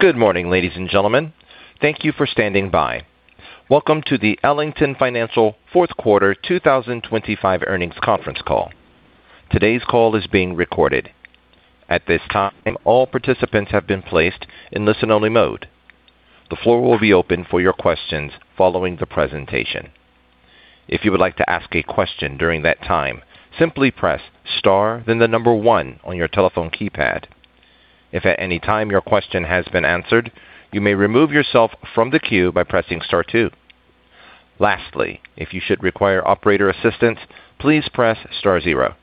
Good morning, ladies and gentlemen. Thank you for standing by. Welcome to the Ellington Financial fourth quarter 2025 earnings conference call. Today's call is being recorded. At this time, all participants have been placed in listen-only mode. The floor will be open for your questions following the presentation. If you would like to ask a question during that time, simply press Star one on your telephone keypad. If at any time your question has been answered, you may remove yourself from the queue by pressing Star two. Lastly, if you should require operator assistance, please press Star zero.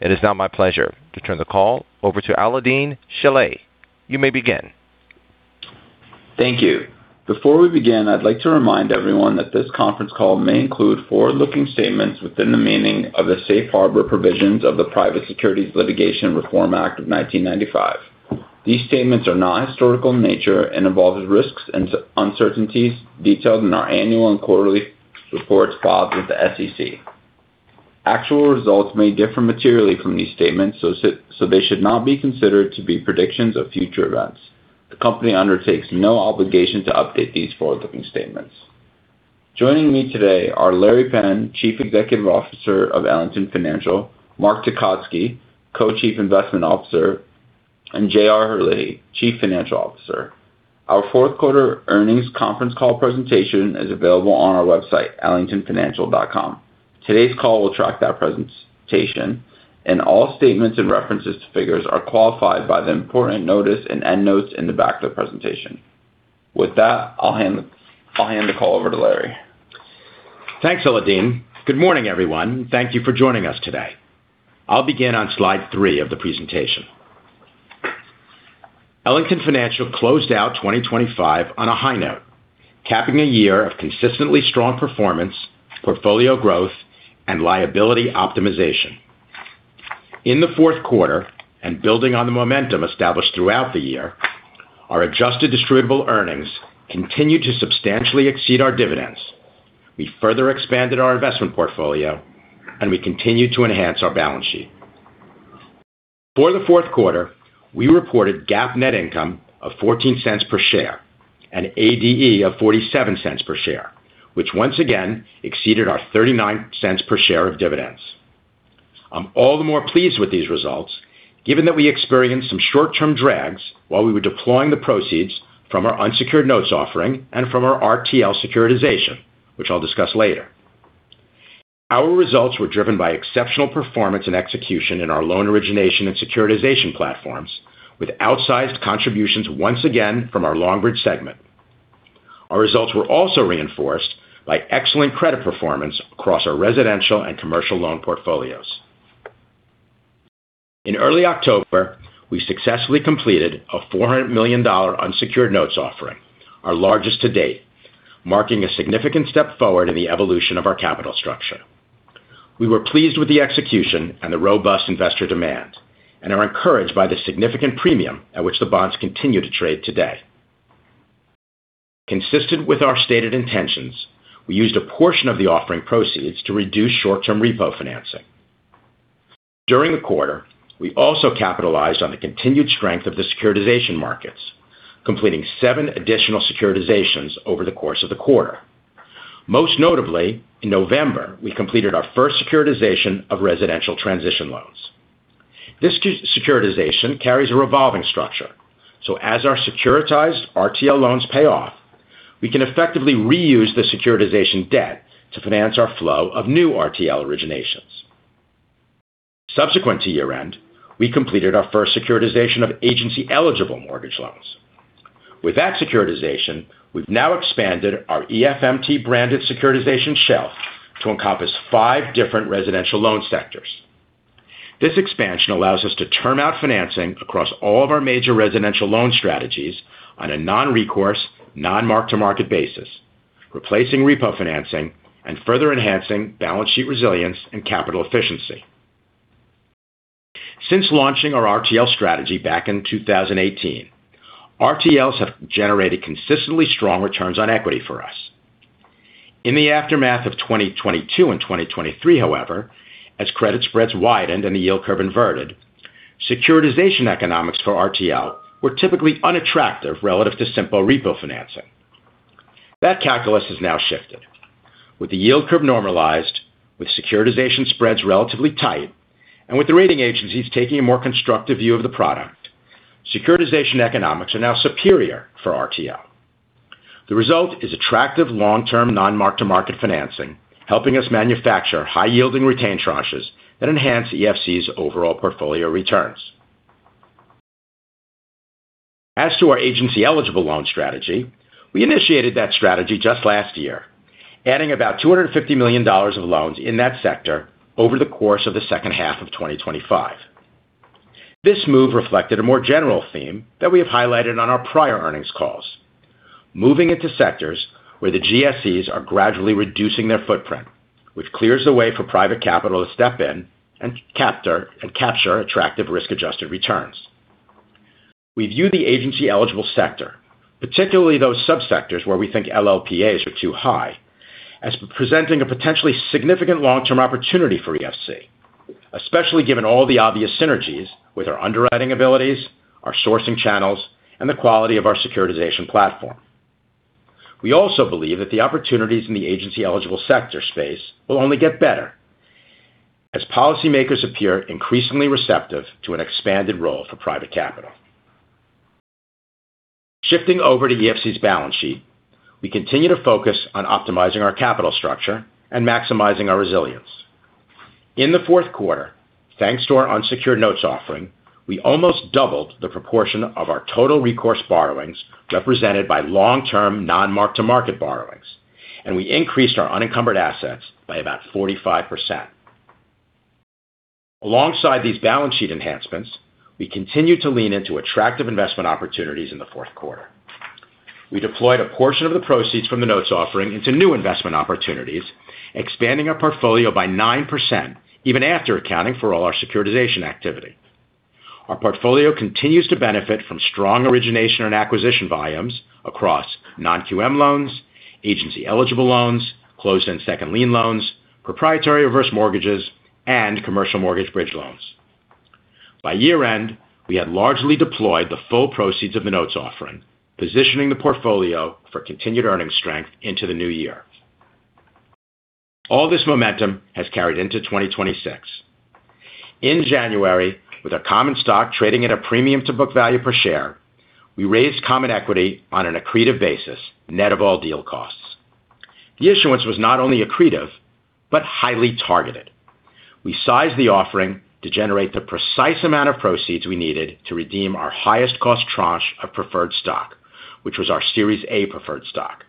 It is now my pleasure to turn the call over to Alaa El-Deen Shilleh. You may begin. Thank you. Before we begin, I'd like to remind everyone that this conference call may include forward-looking statements within the meaning of the Safe Harbor provisions of the Private Securities Litigation Reform Act of 1995. These statements are not historical in nature and involve risks and uncertainties detailed in our annual and quarterly reports filed with the SEC. Actual results may differ materially from these statements, so they should not be considered to be predictions of future events. The company undertakes no obligation to update these forward-looking statements. Joining me today are Larry Penn, Chief Executive Officer of Ellington Financial, Mark Tecotzky, Co-Chief Investment Officer, and J.R. Herlihy, Chief Financial Officer. Our fourth quarter earnings conference call presentation is available on our website, ellingtonfinancial.com. Today's call will track that presentation, and all statements and references to figures are qualified by the important notice and endnotes in the back of the presentation. With that, I'll hand the call over to Larry. Thanks, Alaa. Good morning, everyone, and thank you for joining us today. I'll begin on slide three of the presentation. Ellington Financial closed out 2025 on a high note, capping a year of consistently strong performance, portfolio growth, and liability optimization. In the fourth quarter, and building on the momentum established throughout the year, our adjusted distributable earnings continued to substantially exceed our dividends. We further expanded our investment portfolio, and we continued to enhance our balance sheet. For the fourth quarter, we reported GAAP net income of $0.14 per share and ADE of $0.47 per share, which once again exceeded our $0.39 per share of dividends. I'm all the more pleased with these results, given that we experienced some short-term drags while we were deploying the proceeds from our unsecured notes offering and from our RTL securitization, which I'll discuss later. Our results were driven by exceptional performance and execution in our loan origination and securitization platforms, with outsized contributions once again from our Longbridge segment. Our results were also reinforced by excellent credit performance across our residential and commercial loan portfolios. In early October, we successfully completed a $400 million unsecured notes offering, our largest to date, marking a significant step forward in the evolution of our capital structure. We were pleased with the execution and the robust investor demand and are encouraged by the significant premium at which the bonds continue to trade today. Consistent with our stated intentions, we used a portion of the offering proceeds to reduce short-term repo financing. During the quarter, we also capitalized on the continued strength of the securitization markets, completing seven additional securitizations over the course of the quarter. Most notably, in November, we completed our first securitization of residential transition loans. This securitization carries a revolving structure. As our securitized RTL loans pay off, we can effectively reuse the securitization debt to finance our flow of new RTL originations. Subsequent to year-end, we completed our first securitization of agency-eligible mortgage loans. With that securitization, we've now expanded our EFMT-branded securitization shelf to encompass five different residential loan sectors. This expansion allows us to term out financing across all of our major residential loan strategies on a non-recourse, non-mark-to-market basis, replacing repo financing and further enhancing balance sheet resilience and capital efficiency. Since launching our RTL strategy back in 2018, RTLs have generated consistently strong returns on equity for us. In the aftermath of 2022 and 2023, however, as credit spreads widened and the yield curve inverted, securitization economics for RTL were typically unattractive relative to simple repo financing. That calculus has now shifted. With the yield curve normalized, with securitization spreads relatively tight, and with the rating agencies taking a more constructive view of the product, securitization economics are now superior for RTL. The result is attractive long-term, non-mark-to-market financing, helping us manufacture high-yielding retained tranches that enhance EFC's overall portfolio returns. As to our agency-eligible loan strategy, we initiated that strategy just last year, adding about $250 million of loans in that sector over the course of the second half of 2025. This move reflected a more general theme that we have highlighted on our prior earnings calls, moving into sectors where the GSEs are gradually reducing their footprint, which clears the way for private capital to step in and capture attractive risk-adjusted returns. We view the agency-eligible sector, particularly those sub-sectors where we think LLPAs are too high, as presenting a potentially significant long-term opportunity for EFC, especially given all the obvious synergies with our underwriting abilities, our sourcing channels, and the quality of our securitization platform. We believe that the opportunities in the agency-eligible sector space will only get better, as policymakers appear increasingly receptive to an expanded role for private capital. Shifting over to EFC's balance sheet, we continue to focus on optimizing our capital structure and maximizing our resilience. In the fourth quarter, thanks to our unsecured notes offering, we almost doubled the proportion of our total recourse borrowings represented by long-term, non-mark-to-market borrowings, and we increased our unencumbered assets by about 45%. Alongside these balance sheet enhancements, we continued to lean into attractive investment opportunities in the fourth quarter. We deployed a portion of the proceeds from the notes offering into new investment opportunities, expanding our portfolio by 9%, even after accounting for all our securitization activity. Our portfolio continues to benefit from strong origination and acquisition volumes across non-QM loans, agency-eligible loans, closed-end second lien loans, proprietary reverse mortgages, and commercial mortgage bridge loans. By year-end, we had largely deployed the full proceeds of the notes offering, positioning the portfolio for continued earnings strength into the new year. All this momentum has carried into 2026. In January, with our common stock trading at a premium to book value per share, we raised common equity on an accretive basis, net of all deal costs. The issuance was not only accretive, but highly targeted. We sized the offering to generate the precise amount of proceeds we needed to redeem our highest-cost tranche of preferred stock, which was our Series A preferred stock,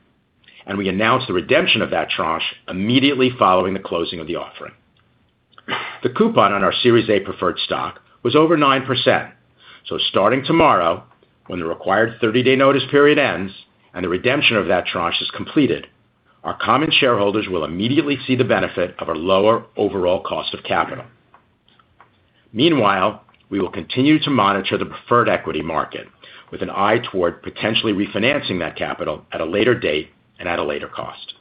and we announced the redemption of that tranche immediately following the closing of the offering. The coupon on our Series A preferred stock was over 9%. Starting tomorrow, when the required 30-day notice period ends and the redemption of that tranche is completed, our common shareholders will immediately see the benefit of a lower overall cost of capital. Meanwhile, we will continue to monitor the preferred equity market with an eye toward potentially refinancing that capital at a later date and at a later cost.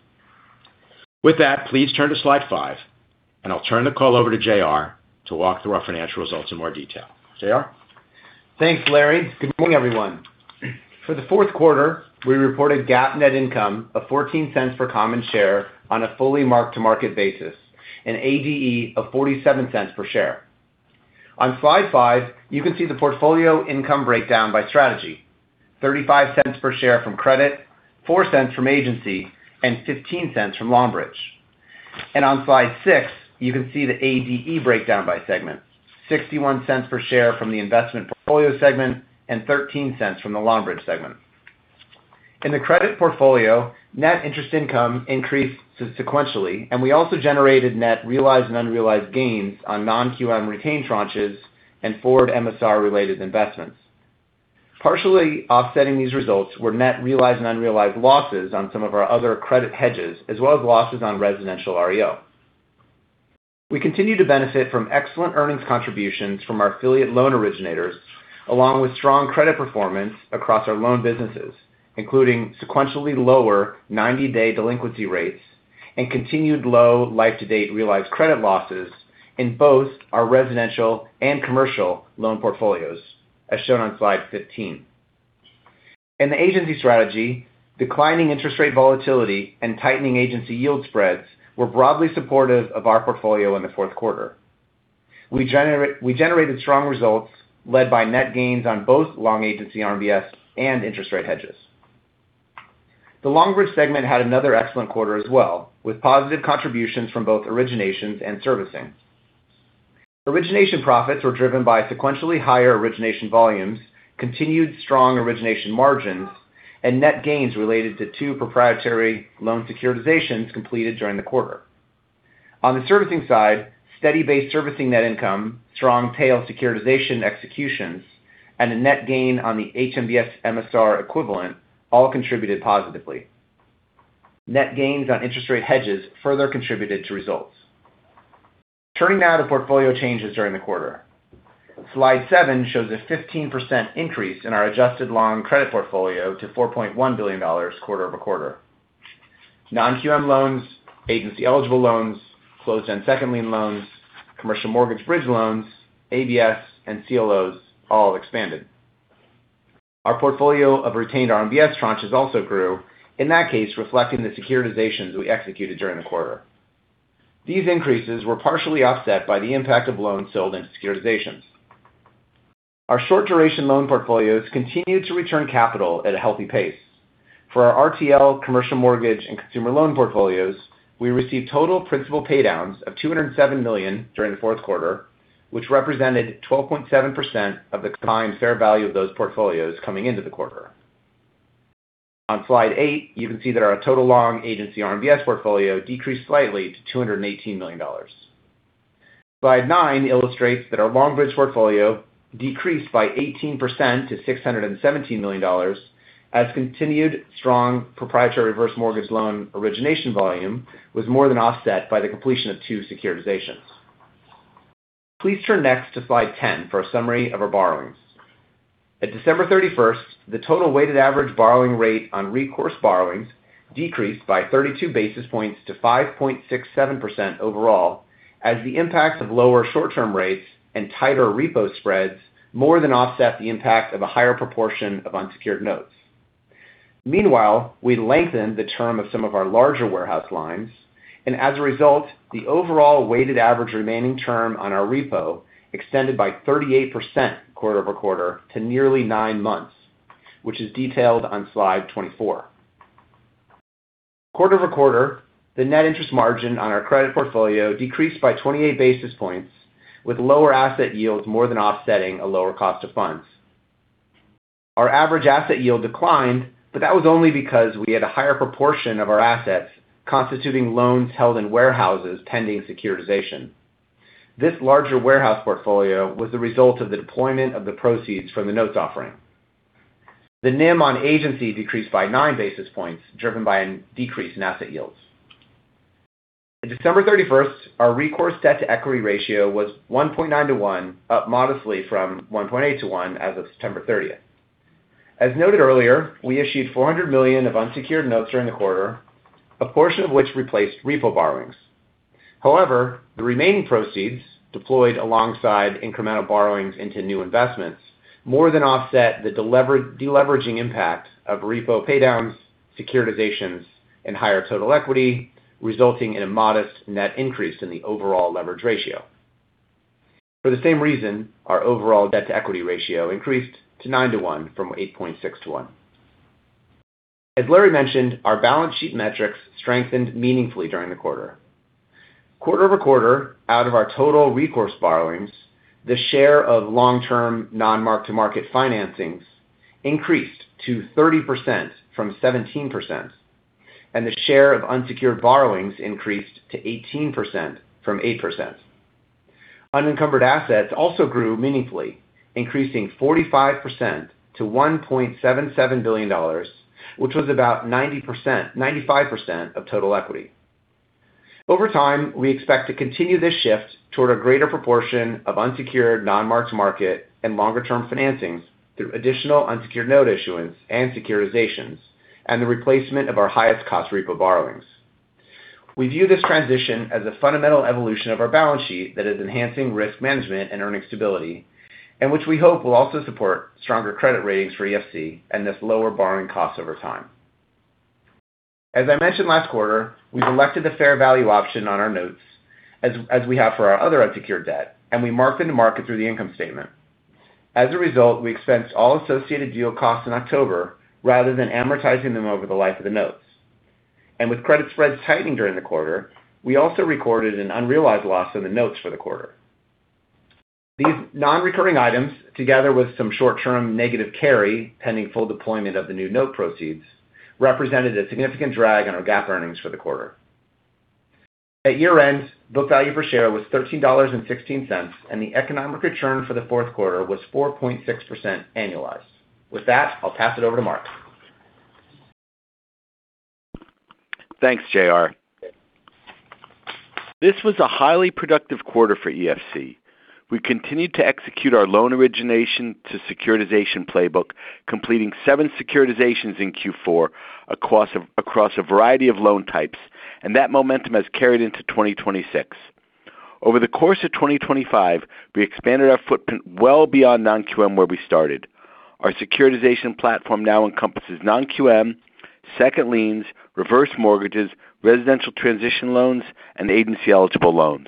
With that, please turn to slide five. I'll turn the call over to J.R. to walk through our financial results in more detail. J.R.? Thanks, Larry. Good morning, everyone. For the fourth quarter, we reported GAAP net income of $0.14 per common share on a fully mark-to-market basis and ADE of $0.47 per share. On slide five, you can see the portfolio income breakdown by strategy: $0.35 per share from credit, $0.04 from agency, and $0.15 from Longbridge. On slide six, you can see the ADE breakdown by segment: $0.61 per share from the investment portfolio segment and $0.13 from the Longbridge segment. In the credit portfolio, net interest income increased sequentially, and we also generated net realized and unrealized gains on non-QM retained tranches and forward MSR-related investments. Partially offsetting these results were net realized and unrealized losses on some of our other credit hedges, as well as losses on residential REO. We continue to benefit from excellent earnings contributions from our affiliate loan originators, along with strong credit performance across our loan businesses, including sequentially lower 90-day delinquency rates and continued low life-to-date realized credit losses in both our residential and commercial loan portfolios, as shown on slide 15. In the agency strategy, declining interest rate volatility and tightening agency yield spreads were broadly supportive of our portfolio in the fourth quarter. We generated strong results led by net gains on both long agency RMBS and interest rate hedges. The Longbridge segment had another excellent quarter as well, with positive contributions from both originations and servicing. Origination profits were driven by sequentially higher origination volumes, continued strong origination margins, and net gains related to two proprietary loan securitizations completed during the quarter. On the servicing side, steady base servicing net income, strong tail securitization executions, and a net gain on the HMBS MSR equivalent all contributed positively. Net gains on interest rate hedges further contributed to results. Turning now to portfolio changes during the quarter. Slide seven shows a 15% increase in our adjusted long credit portfolio to $4.1 billion quarter-over-quarter. Non-QM loans, agency-eligible loans, closed-end second lien loans, commercial mortgage bridge loans, ABS, and CLOs all expanded. Our portfolio of retained RMBS tranches also grew, in that case, reflecting the securitizations we executed during the quarter. These increases were partially offset by the impact of loans sold in securitizations. Our short-duration loan portfolios continued to return capital at a healthy pace. For our RTL commercial mortgage and consumer loan portfolios, we received total principal paydowns of $207 million during the fourth quarter, which represented 12.7% of the combined fair value of those portfolios coming into the quarter. On slide eight, you can see that our total long agency RMBS portfolio decreased slightly to $218 million. Slide nine illustrates that our Longbridge portfolio decreased by 18% to $617 million as continued strong proprietary reverse mortgage loan origination volume was more than offset by the completion of two securitizations. Please turn next to slide 10 for a summary of our borrowings. At December 31st, the total weighted average borrowing rate on recourse borrowings decreased by 32 basis points to 5.67% overall, as the impacts of lower short-term rates and tighter repo spreads more than offset the impact of a higher proportion of unsecured notes. Meanwhile, we lengthened the term of some of our larger warehouse lines. As a result, the overall weighted average remaining term on our repo extended by 38% quarter-over-quarter to nearly nine months, which is detailed on slide 24. Quarter-over-quarter, the net interest margin on our credit portfolio decreased by 28 basis points, with lower asset yields more than offsetting a lower cost of funds. Our average asset yield declined. That was only because we had a higher proportion of our assets constituting loans held in warehouses pending securitization. This larger warehouse portfolio was the result of the deployment of the proceeds from the notes offering. The NIM on agency decreased by nine basis points, driven by a decrease in asset yields. On December 31st, our recourse debt-to-equity ratio was 1.9-one, up modestly from 1.8-one as of September 30th. As noted earlier, we issued $400 million of unsecured notes during the quarter, a portion of which replaced repo borrowings. However, the remaining proceeds, deployed alongside incremental borrowings into new investments, more than offset the deleveraging impact of repo paydowns, securitizations, and higher total equity, resulting in a modest net increase in the overall leverage ratio. For the same reason, our overall debt-to-equity ratio increased to nine-one from 8.6-one. As Larry mentioned, our balance sheet metrics strengthened meaningfully during the quarter. Quarter-over-quarter, out of our total recourse borrowings, the share of long-term non-mark-to-market financings increased to 30% from 17%. The share of unsecured borrowings increased to 18% from 8%. Unencumbered assets also grew meaningfully, increasing 45% to $1.77 billion, which was about 95% of total equity. Over time, we expect to continue this shift toward a greater proportion of unsecured, non-mark-to-market, and longer-term financings through additional unsecured note issuance and securitizations, and the replacement of our highest-cost repo borrowings. We view this transition as a fundamental evolution of our balance sheet that is enhancing risk management and earning stability, which we hope will also support stronger credit ratings for EFC and thus lower borrowing costs over time. As I mentioned last quarter, we've elected the fair value option on our notes as we have for our other unsecured debt. We mark them to market through the income statement. As a result, we expensed all associated deal costs in October rather than amortizing them over the life of the notes. With credit spreads tightening during the quarter, we also recorded an unrealized loss in the notes for the quarter. These non-recurring items, together with some short-term negative carry, pending full deployment of the new note proceeds, represented a significant drag on our GAAP earnings for the quarter. At year-end, book value per share was $13.16. The economic return for the fourth quarter was 4.6% annualized. With that, I'll pass it over to Mark. Thanks, J.R. This was a highly productive quarter for EFC. We continued to execute our loan origination to securitization playbook, completing seven securitizations in Q4 across a variety of loan types. That momentum has carried into 2026. Over the course of 2025, we expanded our footprint well beyond non-QM, where we started. Our securitization platform now encompasses non-QM, second liens, reverse mortgages, residential transition loans, and agency-eligible loans.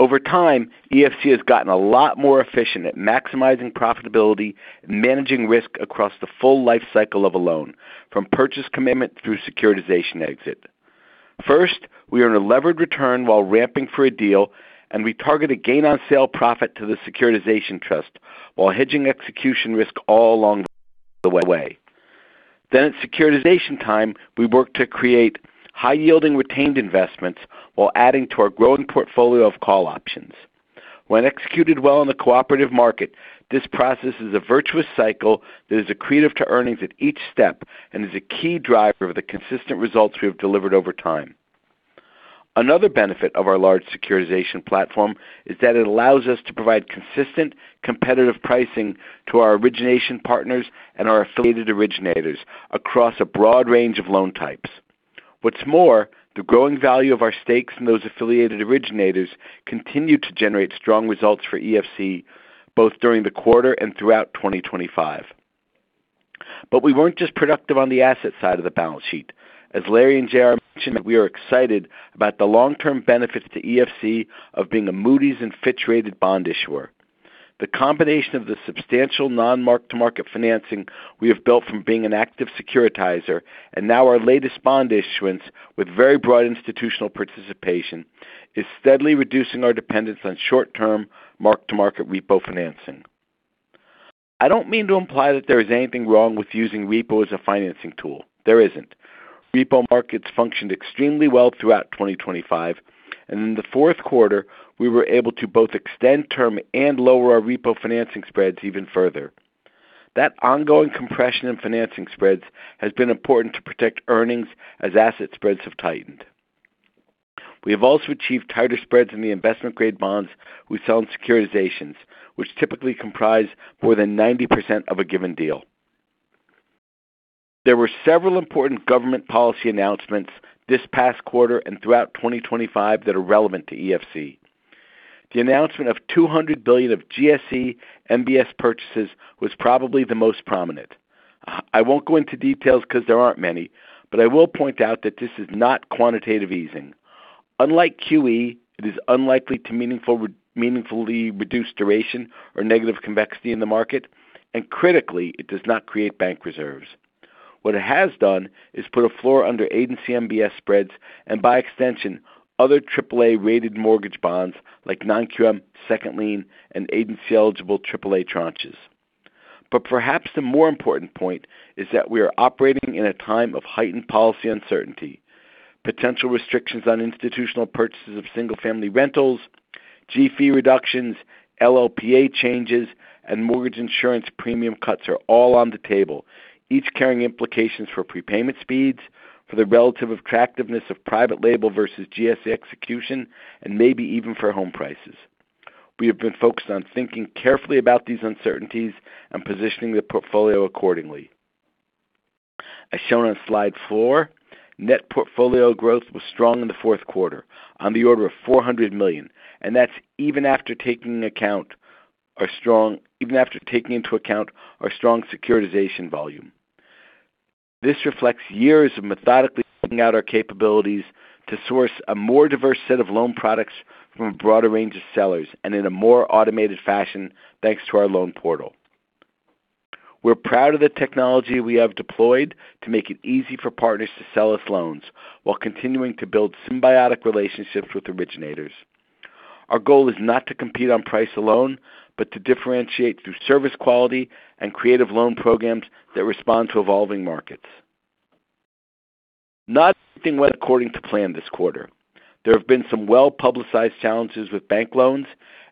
Over time, EFC has gotten a lot more efficient at maximizing profitability and managing risk across the full life cycle of a loan, from purchase commitment through securitization exit. First, we earn a levered return while ramping for a deal, and we target a gain on sale profit to the securitization trust, while hedging execution risk all along the way. At securitization time, we work to create high-yielding, retained investments while adding to our growing portfolio of call options. When executed well in the cooperative market, this process is a virtuous cycle that is accretive to earnings at each step and is a key driver of the consistent results we have delivered over time. Another benefit of our large securitization platform is that it allows us to provide consistent, competitive pricing to our origination partners and our affiliated originators across a broad range of loan types. What's more, the growing value of our stakes in those affiliated originators continued to generate strong results for EFC, both during the quarter and throughout 2025. We weren't just productive on the asset side of the balance sheet. As Larry and J.R. mentioned, we are excited about the long-term benefits to EFC of being a Moody's and Fitch rated bond issuer. The combination of the substantial non-mark-to-market financing we have built from being an active securitizer, and now our latest bond issuance with very broad institutional participation, is steadily reducing our dependence on short-term, mark-to-market repo financing. I don't mean to imply that there is anything wrong with using repo as a financing tool. There isn't. Repo markets functioned extremely well throughout 2025, and in the fourth quarter, we were able to both extend term and lower our repo financing spreads even further.... That ongoing compression in financing spreads has been important to protect earnings as asset spreads have tightened. We have also achieved tighter spreads in the investment-grade bonds we sell in securitizations, which typically comprise more than 90% of a given deal. There were several important government policy announcements this past quarter and throughout 2025 that are relevant to EFC. The announcement of $200 billion of GSE MBS purchases was probably the most prominent. I won't go into details because there aren't many, but I will point out that this is not quantitative easing. Unlike QE, it is unlikely to meaningfully reduce duration or negative convexity in the market, and critically, it does not create bank reserves. What it has done is put a floor under agency MBS spreads and by extension, other AAA-rated mortgage bonds like non-QM, second lien, and agency-eligible AAA tranches. Perhaps the more important point is that we are operating in a time of heightened policy uncertainty. Potential restrictions on institutional purchases of single-family rentals, g-fee reductions, LLPA changes, and mortgage insurance premium cuts are all on the table, each carrying implications for prepayment speeds, for the relative attractiveness of private label versus GSE execution, and maybe even for home prices. We have been focused on thinking carefully about these uncertainties and positioning the portfolio accordingly. As shown on slide four, net portfolio growth was strong in the fourth quarter on the order of $400 million, and that's even after taking into account our strong securitization volume. This reflects years of methodically rolling out our capabilities to source a more diverse set of loan products from a broader range of sellers and in a more automated fashion, thanks to our loan portal. We're proud of the technology we have deployed to make it easy for partners to sell us loans while continuing to build symbiotic relationships with originators. Our goal is not to compete on price alone, but to differentiate through service quality and creative loan programs that respond to evolving markets. Not everything went according to plan this quarter. There have been some well-publicized challenges with bank loans.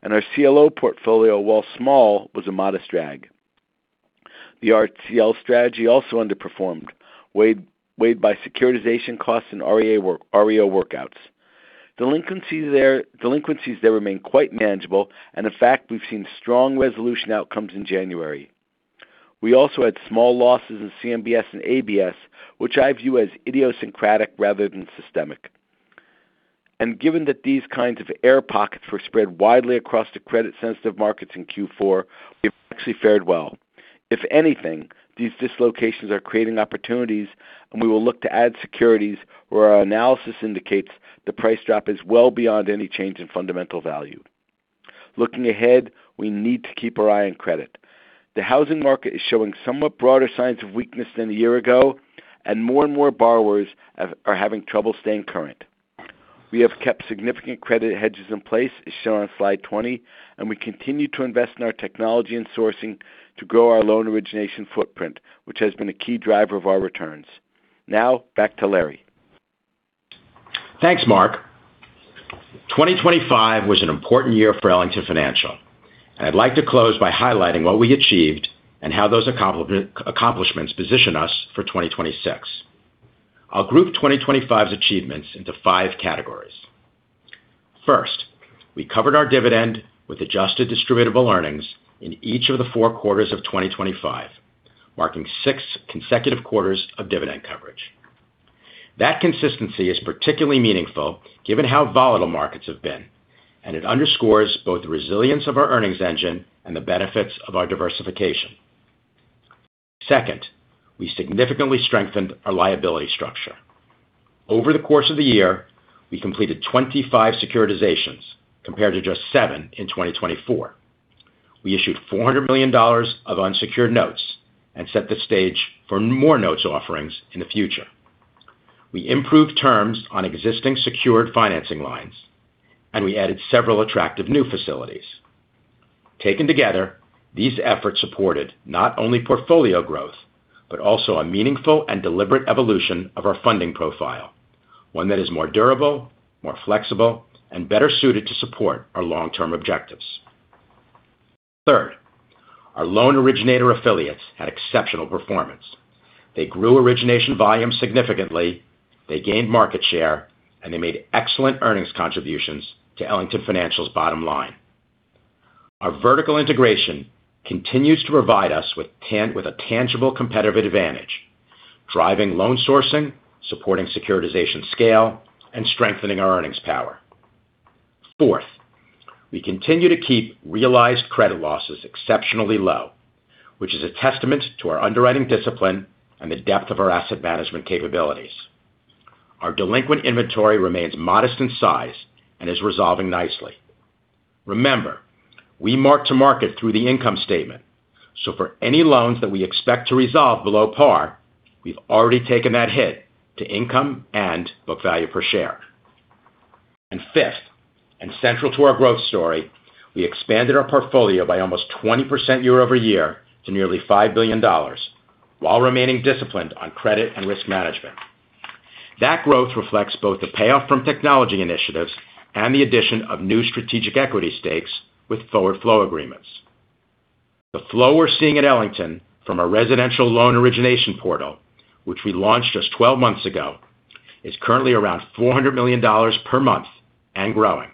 Our CLO portfolio, while small, was a modest drag. The RTL strategy also underperformed, weighed by securitization costs and REO workouts. Delinquencies there remain quite manageable. In fact, we've seen strong resolution outcomes in January. We also had small losses in CMBS and ABS, which I view as idiosyncratic rather than systemic. Given that these kinds of air pockets were spread widely across the credit-sensitive markets in Q4, we've actually fared well. If anything, these dislocations are creating opportunities. We will look to add securities where our analysis indicates the price drop is well beyond any change in fundamental value. Looking ahead, we need to keep our eye on credit. The housing market is showing somewhat broader signs of weakness than a year ago, and more and more borrowers are having trouble staying current. We have kept significant credit hedges in place, as shown on slide 20, and we continue to invest in our technology and sourcing to grow our loan origination footprint, which has been a key driver of our returns. Now, back to Larry. Thanks, Mark. 2025 was an important year for Ellington Financial. I'd like to close by highlighting what we achieved and how those accomplishments position us for 2026. I'll group 2025's achievements into five categories. First, we covered our dividend with adjusted distributable earnings in each of the four quarters of 2025, marking six consecutive quarters of dividend coverage. That consistency is particularly meaningful given how volatile markets have been, and it underscores both the resilience of our earnings engine and the benefits of our diversification. Second, we significantly strengthened our liability structure. Over the course of the year, we completed 25 securitizations, compared to just seven in 2024. We issued $400 million of unsecured notes and set the stage for more notes offerings in the future. We improved terms on existing secured financing lines, and we added several attractive new facilities. Taken together, these efforts supported not only portfolio growth, but also a meaningful and deliberate evolution of our funding profile, one that is more durable, more flexible, and better suited to support our long-term objectives. Third, our loan originator affiliates had exceptional performance. They grew origination volume significantly, they gained market share, and they made excellent earnings contributions to Ellington Financial's bottom line. Our vertical integration continues to provide us with a tangible competitive advantage, driving loan sourcing, supporting securitization scale, and strengthening our earnings power. Fourth, we continue to keep realized credit losses exceptionally low, which is a testament to our underwriting discipline and the depth of our asset management capabilities. Our delinquent inventory remains modest in size and is resolving nicely. Remember, we mark to market through the income statement, so for any loans that we expect to resolve below par, we've already taken that hit to income and book value per share. Fifth, and central to our growth story, we expanded our portfolio by almost 20% year-over-year to nearly $5 billion, while remaining disciplined on credit and risk management. That growth reflects both the payoff from technology initiatives and the addition of new strategic equity stakes with forward flow agreements. The flow we're seeing at Ellington from our residential loan origination portal, which we launched just 12 months ago, is currently around $400 million per month and growing,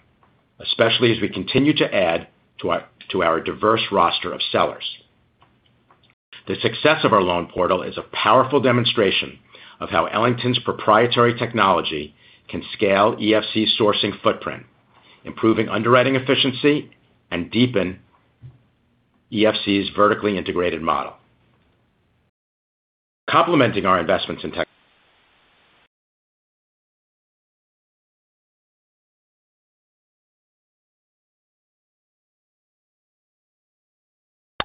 especially as we continue to add to our diverse roster of sellers. The success of our loan portal is a powerful demonstration of how Ellington's proprietary technology can scale EFC's sourcing footprint, improving underwriting efficiency, and deepen EFC's vertically integrated model. Complementing our investments in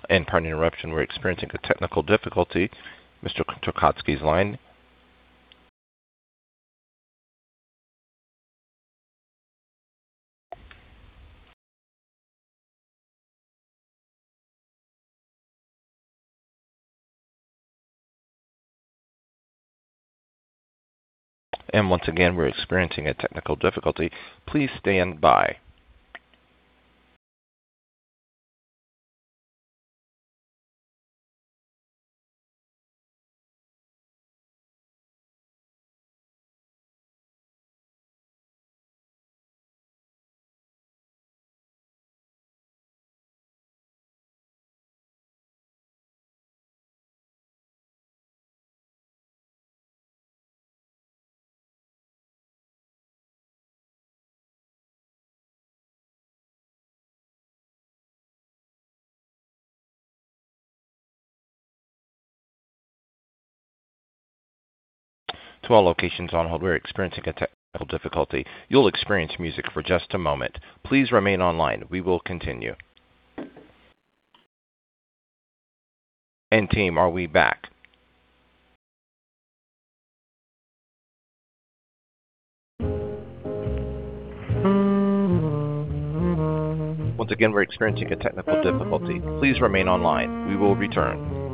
tech. Pardon the interruption. We're experiencing a technical difficulty. Mr. Tecotzky's line. Once again, we're experiencing a technical difficulty. Please stand by. To all locations on hold, we're experiencing a technical difficulty. You'll experience music for just a moment. Please remain online. We will continue. team, are we back? Once again, we're experiencing a technical difficulty. Please remain online. We will return.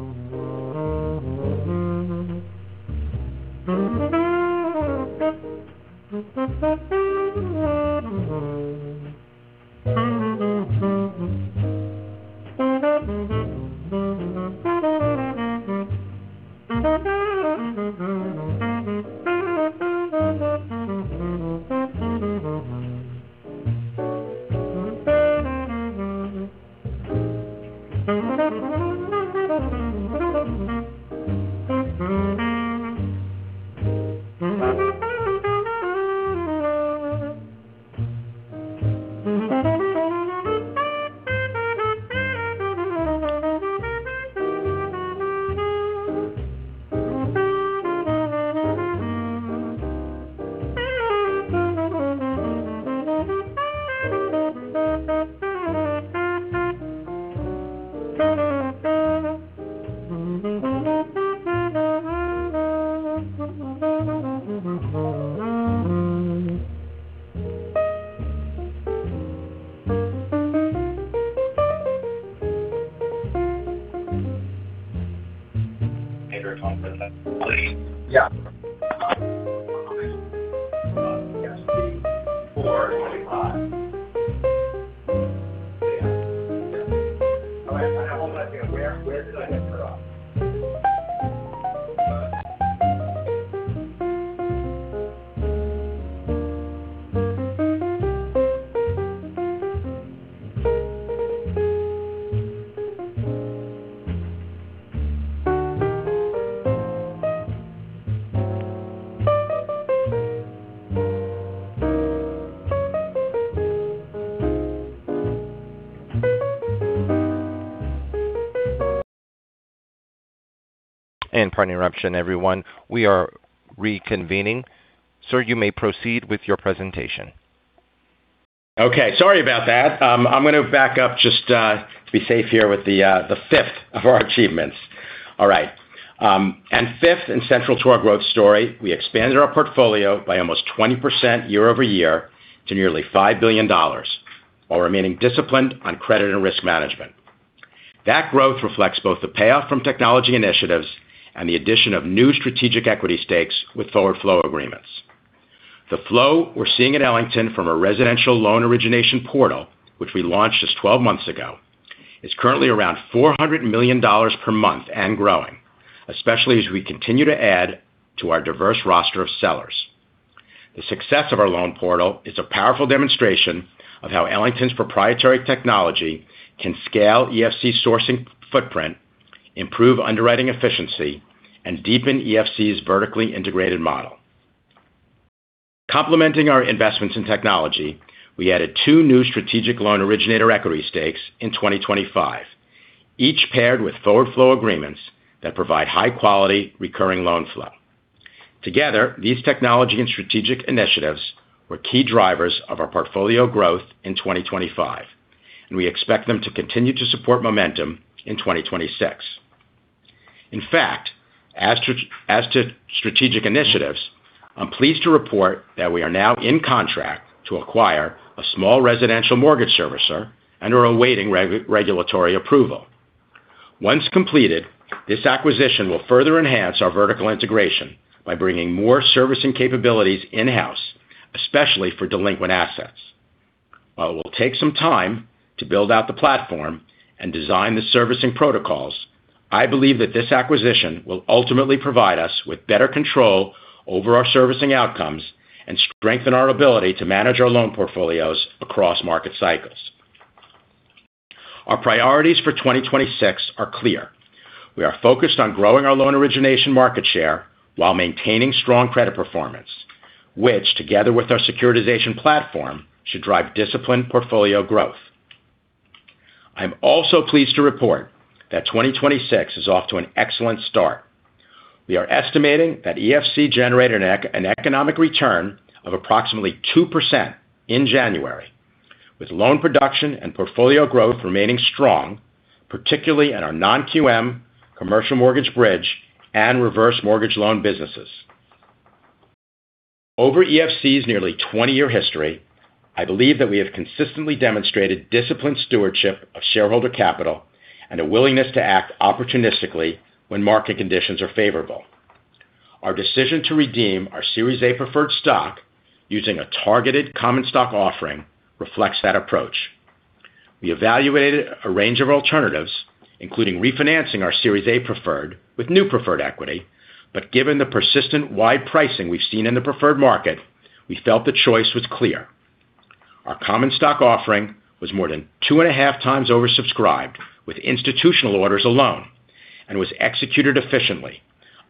Pardon the interruption, everyone. We are reconvening. Sir, you may proceed with your presentation. Okay. Sorry about that. I'm going to back up just to be safe here with the fifth of our achievements. All right. Fifth, and central to our growth story, we expanded our portfolio by almost 20% year-over-year to nearly $5 billion, while remaining disciplined on credit and risk management. That growth reflects both the payoff from technology initiatives and the addition of new strategic equity stakes with forward flow agreements. The flow we're seeing at Ellington from our residential loan origination portal, which we launched just 12 months ago, is currently around $400 million per month and growing, especially as we continue to add to our diverse roster of sellers. The success of our loan portal is a powerful demonstration of how Ellington's proprietary technology can scale EFC's sourcing footprint, improve underwriting efficiency, and deepen EFC's vertically integrated model. Complementing our investments in technology, we added two new strategic loan originator equity stakes in 2025, each paired with forward flow agreements that provide high-quality, recurring loan flow. Together, these technology and strategic initiatives were key drivers of our portfolio growth in 2025. We expect them to continue to support momentum in 2026. In fact, as to strategic initiatives, I'm pleased to report that we are now in contract to acquire a small residential mortgage servicer and are awaiting regulatory approval. Once completed, this acquisition will further enhance our vertical integration by bringing more servicing capabilities in-house, especially for delinquent assets. While it will take some time to build out the platform and design the servicing protocols, I believe that this acquisition will ultimately provide us with better control over our servicing outcomes and strengthen our ability to manage our loan portfolios across market cycles. Our priorities for 2026 are clear. We are focused on growing our loan origination market share while maintaining strong credit performance, which, together with our securitization platform, should drive disciplined portfolio growth. I'm also pleased to report that 2026 is off to an excellent start. We are estimating that EFC generated an economic return of approximately 2% in January, with loan production and portfolio growth remaining strong, particularly in our non-QM, commercial mortgage bridge, and reverse mortgage loan businesses. Over EFC's nearly 20-year history, I believe that we have consistently demonstrated disciplined stewardship of shareholder capital and a willingness to act opportunistically when market conditions are favorable. Our decision to redeem our Series A preferred stock using a targeted common stock offering reflects that approach. We evaluated a range of alternatives, including refinancing our Series A preferred with new preferred equity, but given the persistent wide pricing we've seen in the preferred market, we felt the choice was clear. Our common stock offering was more than 2.5 times oversubscribed, with institutional orders alone, and was executed efficiently,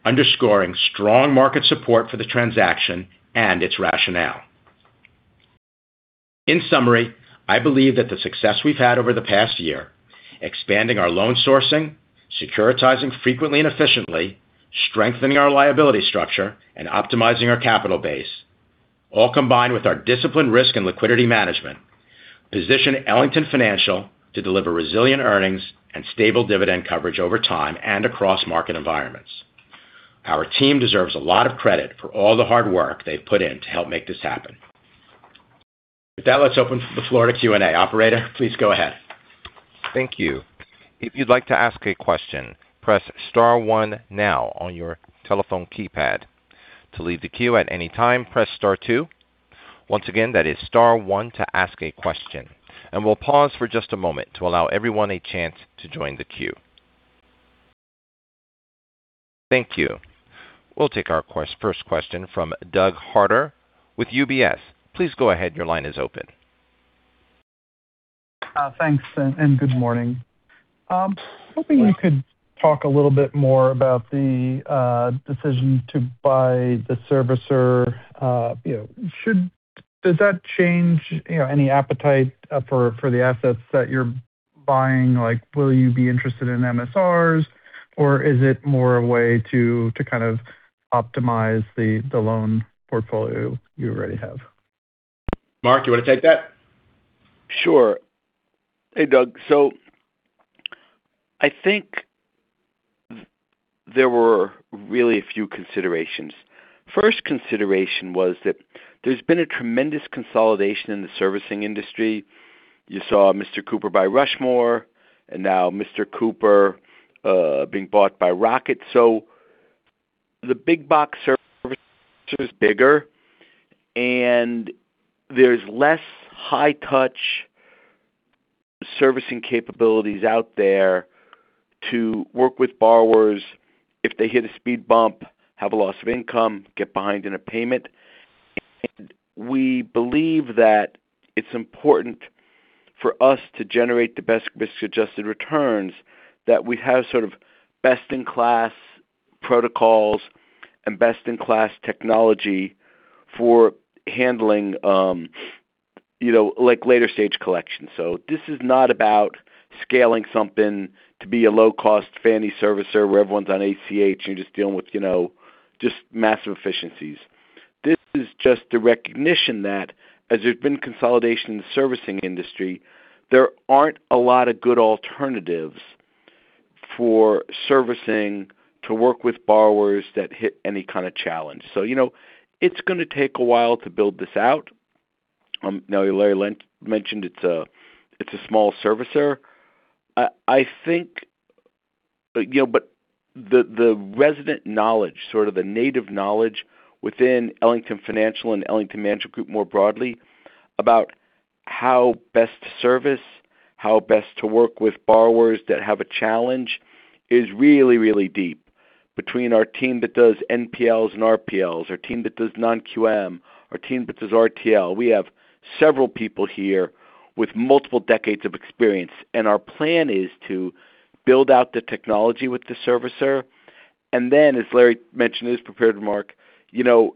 underscoring strong market support for the transaction and its rationale. In summary, I believe that the success we've had over the past year, expanding our loan sourcing, securitizing frequently and efficiently, strengthening our liability structure, and optimizing our capital base, all combined with our disciplined risk and liquidity management, position Ellington Financial to deliver resilient earnings and stable dividend coverage over time and across market environments. Our team deserves a lot of credit for all the hard work they've put in to help make this happen. With that, let's open the floor to Q&A. Operator, please go ahead. Thank you. If you'd like to ask a question, press star one now on your telephone keypad. To leave the queue at any time, press star two. Once again, that is star one to ask a question, we'll pause for just a moment to allow everyone a chance to join the queue. Thank you. We'll take our first question from Douglas Harter with UBS. Please go ahead. Your line is open. Thanks, and good morning. Hoping you could talk a little bit more about the decision to buy the servicer. You know, does that change, you know, any appetite for the assets that you're buying? Like, will you be interested in MSRs, or is it more a way to kind of optimize the loan portfolio you already have? Mark, you want to take that? Sure. Hey, Doug. I think there were really a few considerations. First consideration was that there's been a tremendous consolidation in the servicing industry. You saw Mr. Cooper buy Rushmore, and now Mr. Cooper being bought by Rocket. The big box servicer is bigger, and there's less high touch servicing capabilities out there to work with borrowers if they hit a speed bump, have a loss of income, get behind in a payment. We believe that it's important for us to generate the best risk-adjusted returns, that we have sort of best-in-class protocols and best-in-class technology for handling, you know, like, later stage collection. This is not about scaling something to be a low-cost Fannie servicer, where everyone's on ACH and just dealing with, you know, just massive efficiencies. This is just the recognition that as there's been consolidation in the servicing industry, there aren't a lot of good alternatives for servicing to work with borrowers that hit any kind of challenge. You know, it's going to take a while to build this out. Now, Larry Penn mentioned it's a small servicer. I think, you know, but the resident knowledge, sort of the native knowledge within Ellington Financial and Ellington Management Group, more broadly, about how best to service, how best to work with borrowers that have a challenge, is really, really deep between our team that does NPLs and RPLs, our team that does non-QM, our team that does RTL. We have several people here with multiple decades of experience, and our plan is to build out the technology with the servicer, and then, as Larry mentioned, Mark, you know,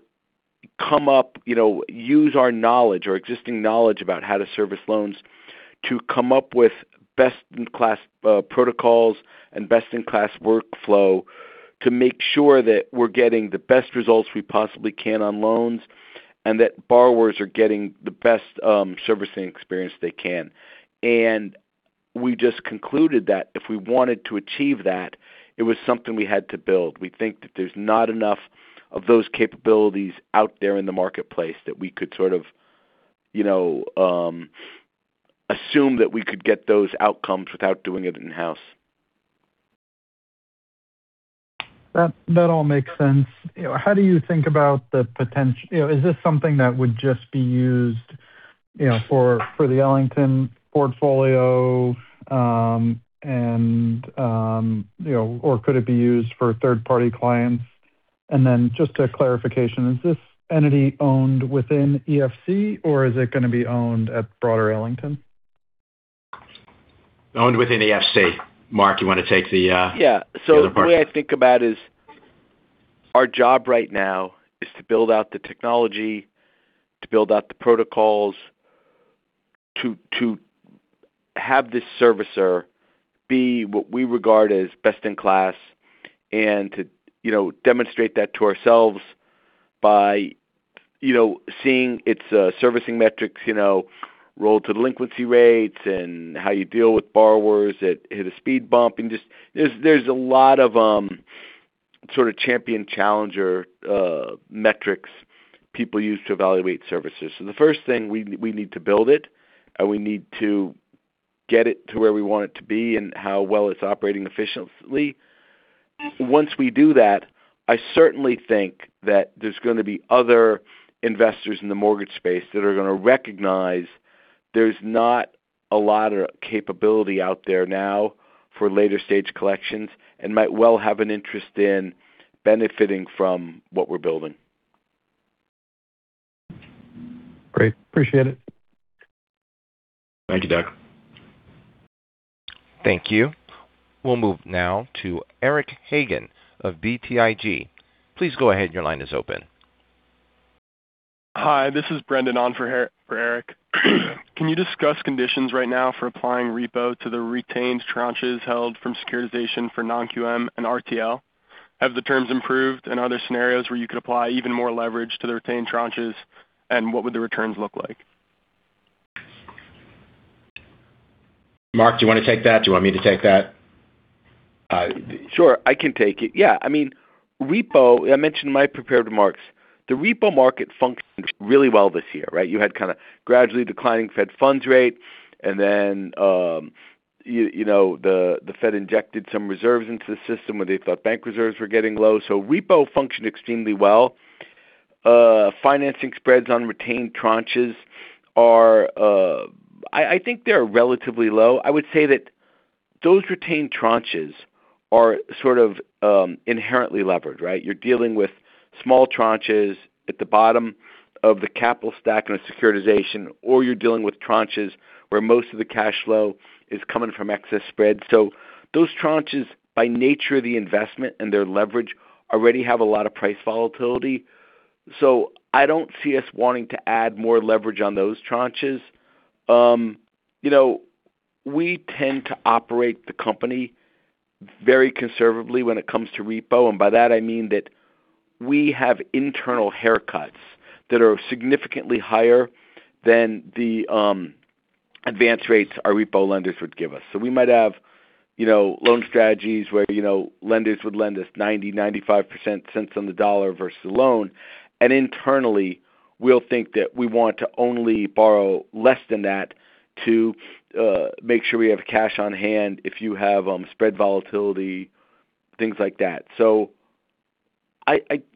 come up, you know, use our knowledge or existing knowledge about how to service loans, to come up with best-in-class protocols and best-in-class workflow to make sure that we're getting the best results we possibly can on loans, and that borrowers are getting the best servicing experience they can. We just concluded that if we wanted to achieve that, it was something we had to build. We think that there's not enough of those capabilities out there in the marketplace that we could sort of.... you know, assume that we could get those outcomes without doing it in-house. That all makes sense. You know, how do you think about, you know, is this something that would just be used, you know, for the Ellington portfolio, and, you know, or could it be used for third-party clients? Just a clarification: Is this entity owned within EFC, or is it going to be owned at broader Ellington? Owned within EFC. Mark, you want to take the, Yeah. The other part? The way I think about is, our job right now is to build out the technology, to build out the protocols, to have this servicer be what we regard as best in class, and to, you know, demonstrate that to ourselves by, you know, seeing its servicing metrics, you know, roll to delinquency rates and how you deal with borrowers that hit a speed bump. Just there's a lot of sort of champion challenger metrics people use to evaluate services. The first thing, we need to build it, and we need to get it to where we want it to be and how well it's operating efficiently. Once we do that, I certainly think that there's going to be other investors in the mortgage space that are going to recognize there's not a lot of capability out there now for later-stage collections and might well have an interest in benefiting from what we're building. Great. Appreciate it. Thank you, Doug. Thank you. We'll move now to Eric Hagen of BTIG. Please go ahead. Your line is open. Hi, this is Brendan, on for Eric. Can you discuss conditions right now for applying repo to the retained tranches held from securitization for non-QM and RTL? Have the terms improved and other scenarios where you could apply even more leverage to the retained tranches, and what would the returns look like? Mark, do you want to take that? Do you want me to take that? Sure, I can take it. Yeah, I mean, repo, I mentioned in my prepared remarks, the repo market functioned really well this year, right? You had kind of gradually declining Fed funds rate and then, you know, the Fed injected some reserves into the system where they thought bank reserves were getting low. Repo functioned extremely well. Financing spreads on retained tranches are, I think they're relatively low. I would say that those retained tranches are sort of, inherently levered, right? You're dealing with small tranches at the bottom of the capital stack in a securitization, or you're dealing with tranches where most of the cash flow is coming from excess spread. Those tranches, by nature of the investment and their leverage, already have a lot of price volatility. I don't see us wanting to add more leverage on those tranches. You know, we tend to operate the company very conservatively when it comes to repo, and by that I mean that we have internal haircuts that are significantly higher than the advance rates our repo lenders would give us. We might have, you know, loan strategies where, you know, lenders would lend us 90, 95% cents on the dollar versus the loan. Internally, we'll think that we want to only borrow less than that to make sure we have cash on hand if you have spread volatility, things like that. You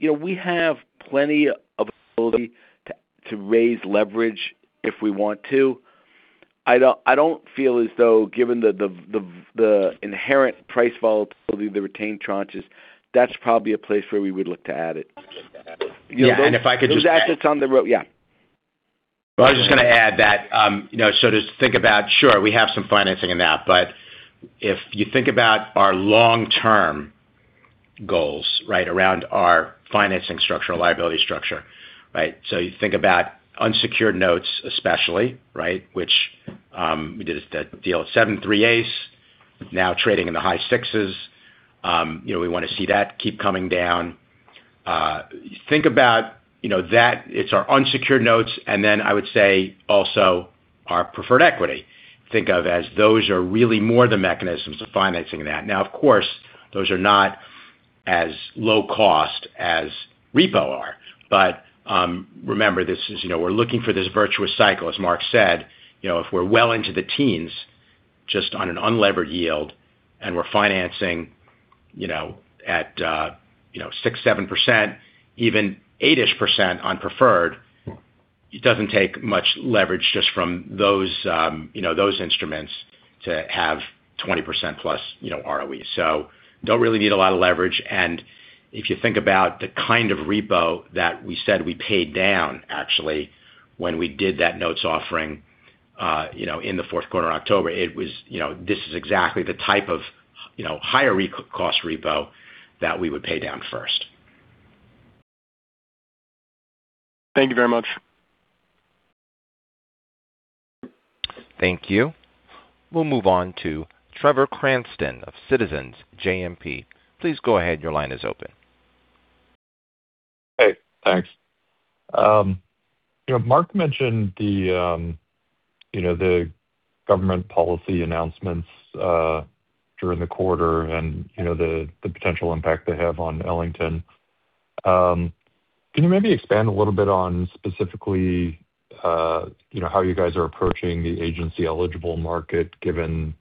know, we have plenty of ability to raise leverage if we want to. I don't feel as though, given the inherent price volatility of the retained tranches, that's probably a place where we would look to add it. Yeah, if I could just- Those assets on the ro- yeah. I was just gonna add that, you know, to think about, sure, we have some financing in that, but if you think about our long-term goals, right, around our financing structure or liability structure, right? You think about unsecured notes, especially, right, which, we did a deal at seven three-eighths, now trading in the high sixes. You know, we want to see that keep coming down. Think about, you know, that it's our unsecured notes, and then I would say also our preferred equity. Think of as those are really more the mechanisms of financing that. Of course, those are not as low cost as repo are. Remember, this is you know, we're looking for this virtuous cycle, as Mark said. You know, if we're well into the teens, just on an unlevered yield, and we're financing, you know, at, you know, 6%, 7%, even 8%-ish on preferred, it doesn't take much leverage just from those, you know, those instruments to have 20%+, you know, ROE. Don't really need a lot of leverage. If you think about the kind of repo that we said we paid down, actually, when we did that notes offering, you know, in the fourth quarter, October, this is exactly the type of, you know, higher cost repo that we would pay down first. Thank you very much. Thank you. We'll move on to Trevor Cranston of Citizens JMP. Please go ahead. Your line is open. Hey, thanks. You know, Mark mentioned the, you know, the government policy announcements during the quarter and, you know, the potential impact they have on Ellington. Can you maybe expand a little bit on specifically, you know, how you guys are approaching the agency-eligible market, given,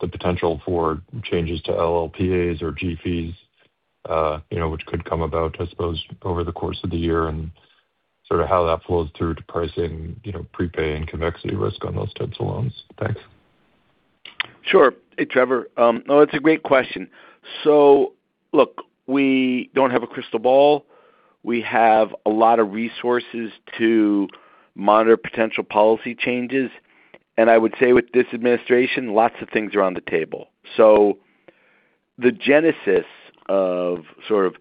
the potential for changes to LLPAs or g-fees, you know, which could come about, I suppose, over the course of the year, and sort of how that flows through to pricing, you know, prepay and convexity risk on those types of loans? Thanks. Sure. Hey, Trevor. That's a great question. Look, we don't have a crystal ball. We have a lot of resources to monitor potential policy changes, and I would say with this administration, lots of things are on the table. The genesis of sort of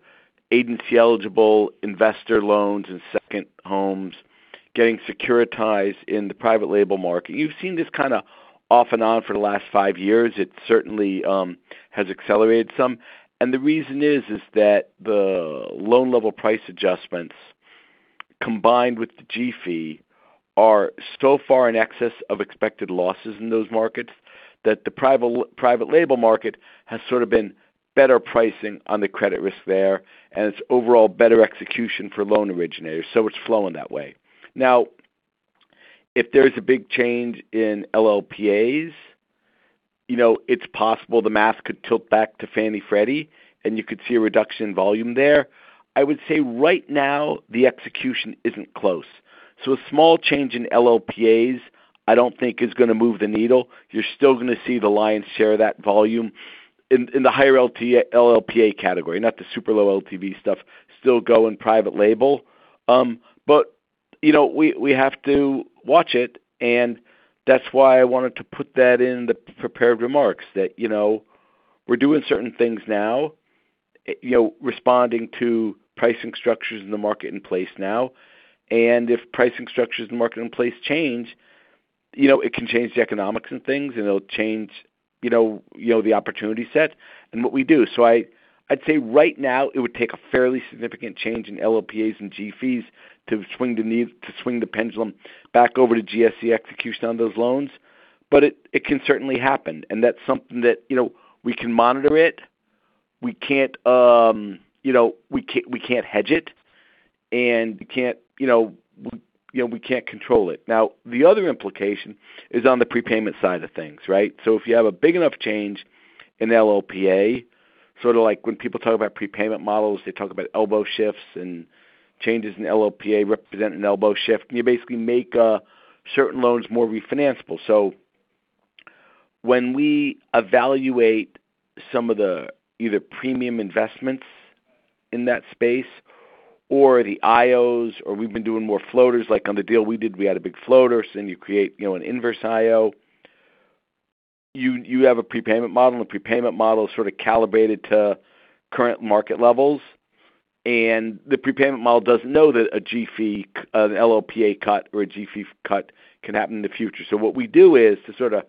agency-eligible investor loans and second homes getting securitized in the private label market, you've seen this kind of off and on for the last five years. It certainly has accelerated some. The reason is that the loan-level price adjustments, combined with the g-fee, are so far in excess of expected losses in those markets, that the private label market has sort of been better pricing on the credit risk there, and it's overall better execution for loan originators, so it's flowing that way. If there's a big change in LLPAs, you know, it's possible the math could tilt back to Fannie/Freddie, and you could see a reduction in volume there. I would say right now, the execution isn't close. A small change in LLPAs, I don't think is gonna move the needle. You're still gonna see the lion's share of that volume in the higher LLPA category, not the super low LTV stuff, still go in private label. You know, we have to watch it, and that's why I wanted to put that in the prepared remarks that, you know, we're doing certain things now, you know, responding to pricing structures in the market in place now. If pricing structures in the market in place change, you know, it can change the economics and things, and it'll change, you know, the opportunity set and what we do. I'd say right now, it would take a fairly significant change in LLPAs and g-fees to swing the pendulum back over to GSE execution on those loans. It, it can certainly happen, and that's something that, you know, we can monitor it. We can't, you know, we can't hedge it and we can't, you know, we can't control it. The other implication is on the prepayment side of things, right? If you have a big enough change in LLPA, sort of like when people talk about prepayment models, they talk about elbow shifts and changes in LLPA represent an elbow shift, and you basically make certain loans more refinancable. When we evaluate some of the either premium investments in that space or the IOs, or we've been doing more floaters, like on the deal we did, we had a big floater. Then you create, you know, an inverse IO. You have a prepayment model, and the prepayment model is sort of calibrated to current market levels, and the prepayment model doesn't know that a G fee, an LLPA cut or a G fee cut can happen in the future. What we do is to sort of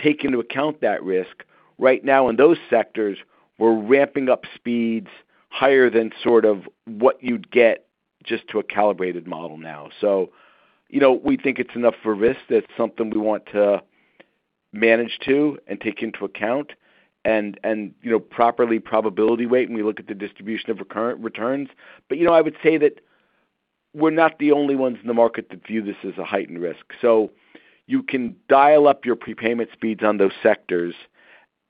take into account that risk. Right now, in those sectors, we're ramping up speeds higher than sort of what you'd get just to a calibrated model now. You know, we think it's enough for risk. That's something we want to manage to and take into account and, you know, properly probability weight when we look at the distribution of recurrent returns. You know, I would say that we're not the only ones in the market that view this as a heightened risk. You can dial up your prepayment speeds on those sectors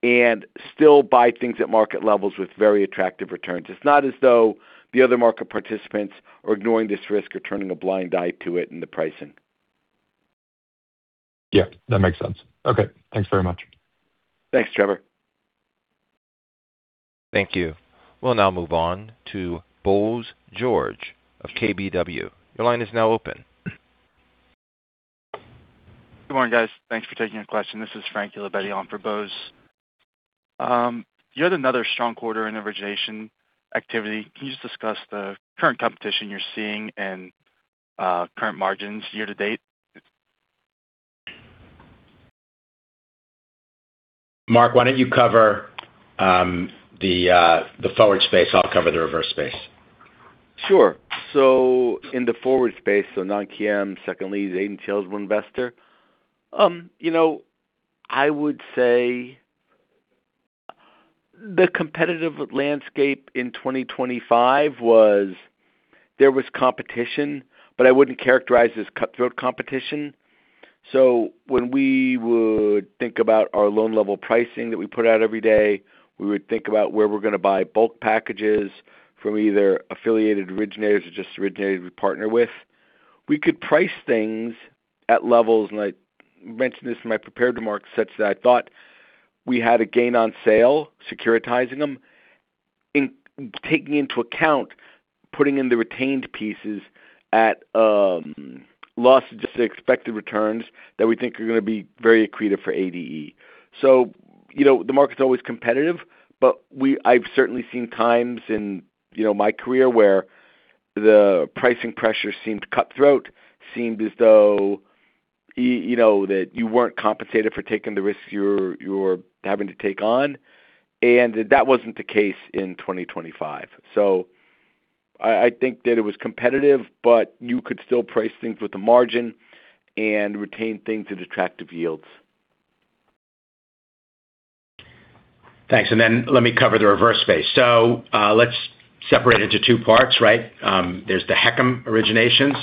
and still buy things at market levels with very attractive returns. It's not as though the other market participants are ignoring this risk or turning a blind eye to it in the pricing. Yeah, that makes sense. Okay, thanks very much. Thanks, Trevor. Thank you. We'll now move on to Bose George of KBW. Your line is now open. Good morning, guys. Thanks for taking the question. This is Frank Labetti on for Bose. You had another strong quarter in origination activity. Can you just discuss the current competition you're seeing and current margins year to date? Mark, why don't you cover the forward space? I'll cover the reverse space. Sure. In the forward space, non-QM, second lien, agency eligible investor, you know, I would say the competitive landscape in 2025 was... There was competition, but I wouldn't characterize this cutthroat competition. When we would think about our loan-level pricing that we put out every day, we would think about where we're gonna buy bulk packages from either affiliated originators or just originators we partner with. We could price things at levels, and I mentioned this in my prepared remarks, such that I thought we had a gain on sale, securitizing them, in taking into account, putting in the retained pieces at loss, just the expected returns that we think are gonna be very accretive for ADE. You know, the market's always competitive, but I've certainly seen times in, you know, my career where the pricing pressure seemed cutthroat, seemed as though, you know, that you weren't compensated for taking the risks you were having to take on, and that wasn't the case in 2025. I think that it was competitive, but you could still price things with a margin and retain things at attractive yields. Thanks. Then let me cover the reverse space. Let's separate it into two parts, right? There's the HECM originations,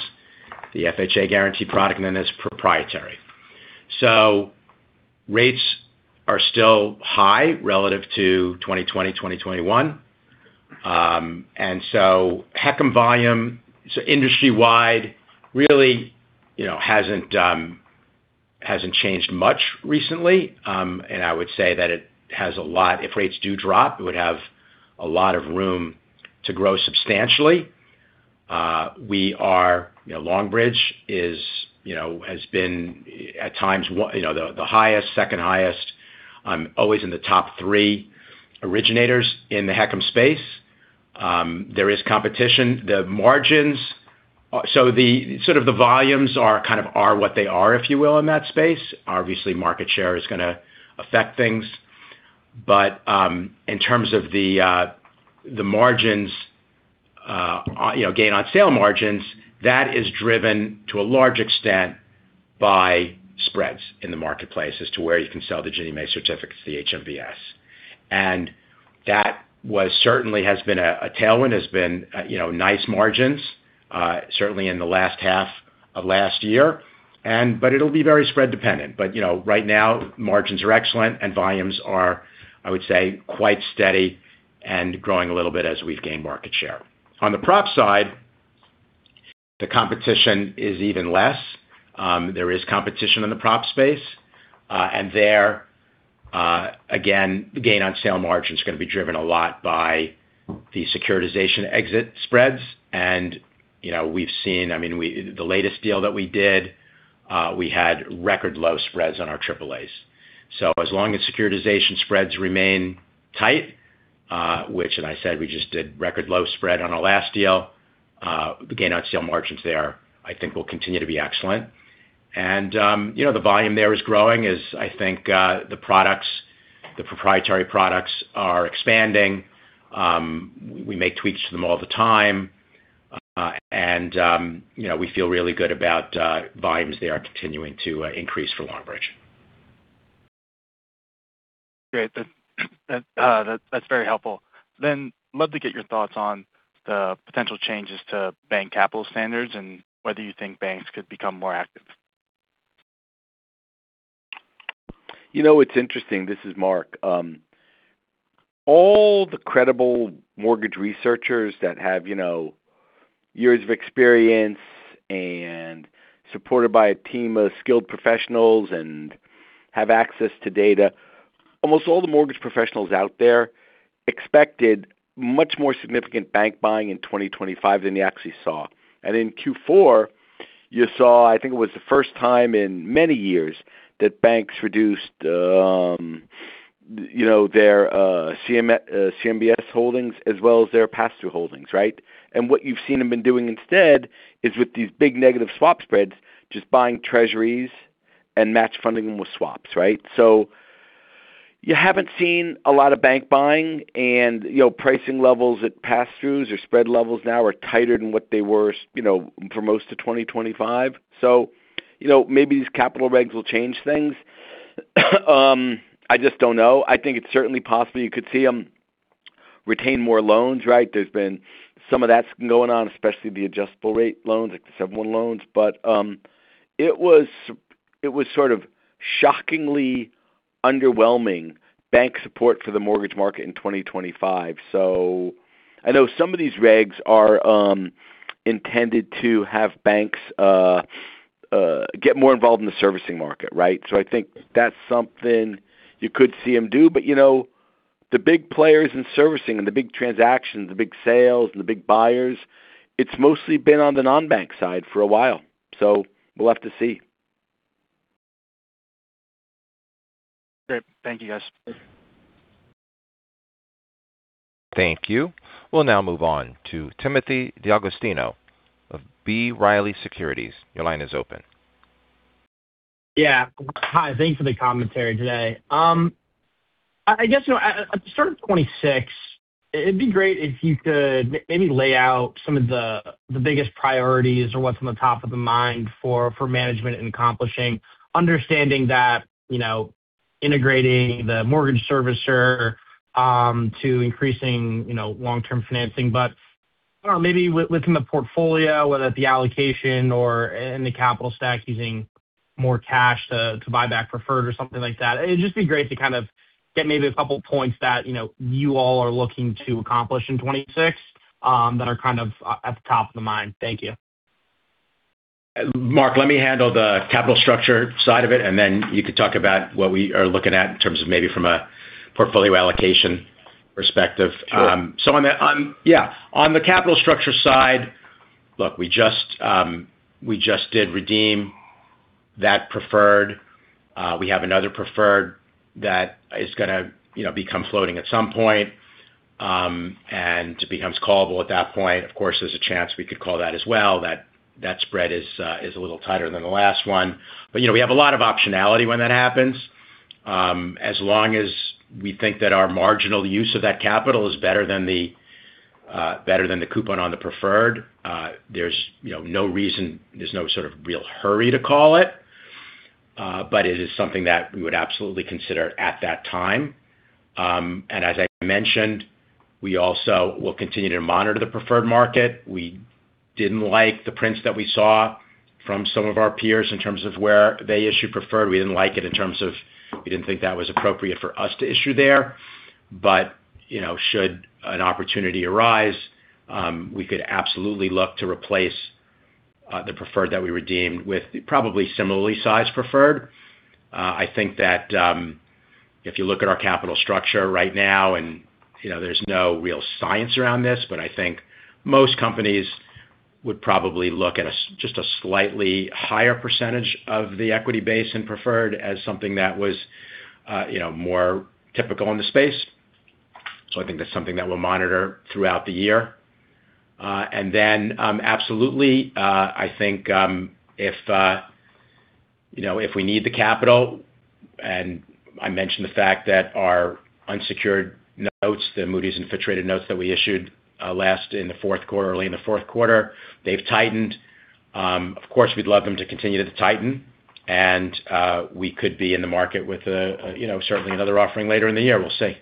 the FHA guarantee product, and then there's proprietary. Rates are still high relative to 2020, 2021. HECM volume, so industry-wide, really, you know, hasn't changed much recently. I would say that if rates do drop, it would have a lot of room to grow substantially. We are, you know, Longbridge is, you know, has been at times, you know, the highest, second highest, always in the top three originators in the HECM space. There is competition. The margins, the sort of the volumes are kind of, are what they are, if you will, in that space. Obviously, market share is gonna affect things, but in terms of the margins, you know, gain on sale margins, that is driven to a large extent by spreads in the marketplace as to where you can sell the Ginnie Mae certificates, the HMBS. That was certainly has been a tailwind, has been, you know, nice margins, certainly in the last half of last year. It'll be very spread dependent. You know, right now, margins are excellent and volumes are, I would say, quite steady and growing a little bit as we've gained market share. On the prop side, the competition is even less. There is competition in the prop space, and there, again, the gain on sale margin is gonna be driven a lot by the securitization exit spreads. You know, we've seen I mean, the latest deal that we did, we had record low spreads on our AAAs. As long as securitization spreads remain tight, which and I said we just did record low spread on our last deal, the gain on sale margins there, I think will continue to be excellent. You know, the volume there is growing as I think, the products, the proprietary products are expanding. We make tweaks to them all the time, and, you know, we feel really good about volumes there are continuing to increase for Longbridge. Great. That's very helpful. Love to get your thoughts on the potential changes to bank capital standards and whether you think banks could become more active. You know, it's interesting. This is Mark. All the credible mortgage researchers that have, you know, years of experience and supported by a team of skilled professionals and have access to data, almost all the mortgage professionals out there expected much more significant bank buying in 2025 than you actually saw. In Q4, you saw, I think it was the first time in many years, that banks reduced, you know, their CMBS holdings as well as their pass-through holdings, right? What you've seen them been doing instead is with these big negative swap spreads, just buying treasuries and match funding them with swaps, right? You haven't seen a lot of bank buying and, you know, pricing levels at pass-throughs or spread levels now are tighter than what they were, you know, for most of 2025. You know, maybe these capital regs will change things. I just don't know. I think it's certainly possible you could see them retain more loans, right? There's been some of that's going on, especially the adjustable rate loans, like the seven/one loans. It was sort of shockingly underwhelming bank support for the mortgage market in 2025. I know some of these regs are intended to have banks get more involved in the servicing market, right? I think that's something you could see them do. You know, the big players in servicing and the big transactions, the big sales and the big buyers, it's mostly been on the non-bank side for a while, so we'll have to see. Great. Thank you, guys. Thank you. We'll now move on to Timothy D'Agostino of B. Riley Securities. Your line is open. Yeah. Hi, thanks for the commentary today. I guess, you know, at the start of 2026, it'd be great if you could maybe lay out some of the biggest priorities or what's on the top of the mind for management in accomplishing, understanding that, you know, integrating the mortgage servicer, to increasing, you know, long-term financing. I don't know, maybe within the portfolio, whether it's the allocation or in the capital stack, using more cash to buy back preferred or something like that. It'd just be great to kind of get maybe a couple points that, you know, you all are looking to accomplish in 2026, that are kind of at the top of the mind. Thank you. Mark, let me handle the capital structure side of it, and then you could talk about what we are looking at in terms of maybe from a portfolio allocation perspective. Sure. On the capital structure side, look, we just did redeem that preferred. We have another preferred that is gonna, you know, become floating at some point and becomes callable at that point. Of course, there's a chance we could call that as well, that spread is a little tighter than the last one. You know, we have a lot of optionality when that happens. As long as we think that our marginal use of that capital is better than the coupon on the preferred, there's, you know, no reason, there's no sort of real hurry to call it, but it is something that we would absolutely consider at that time. As I mentioned, we also will continue to monitor the preferred market. We didn't like the prints that we saw from some of our peers in terms of where they issued preferred. We didn't like it in terms of we didn't think that was appropriate for us to issue there. You know, should an opportunity arise, we could absolutely look to replace the preferred that we redeemed with probably similarly sized preferred. I think that, if you look at our capital structure right now, and you know, there's no real science around this, but I think most companies would probably look at just a slightly higher percentage of the equity base and preferred as something that was, you know, more typical in the space. I think that's something that we'll monitor throughout the year. Absolutely, I think, if, you know, if we need the capital, and I mentioned the fact that our unsecured notes, the Moody's infiltrated notes that we issued, last in the fourth quarter, early in the fourth quarter, they've tightened. We'd love them to continue to tighten, and, we could be in the market with a, you know, certainly another offering later in the year. We'll see.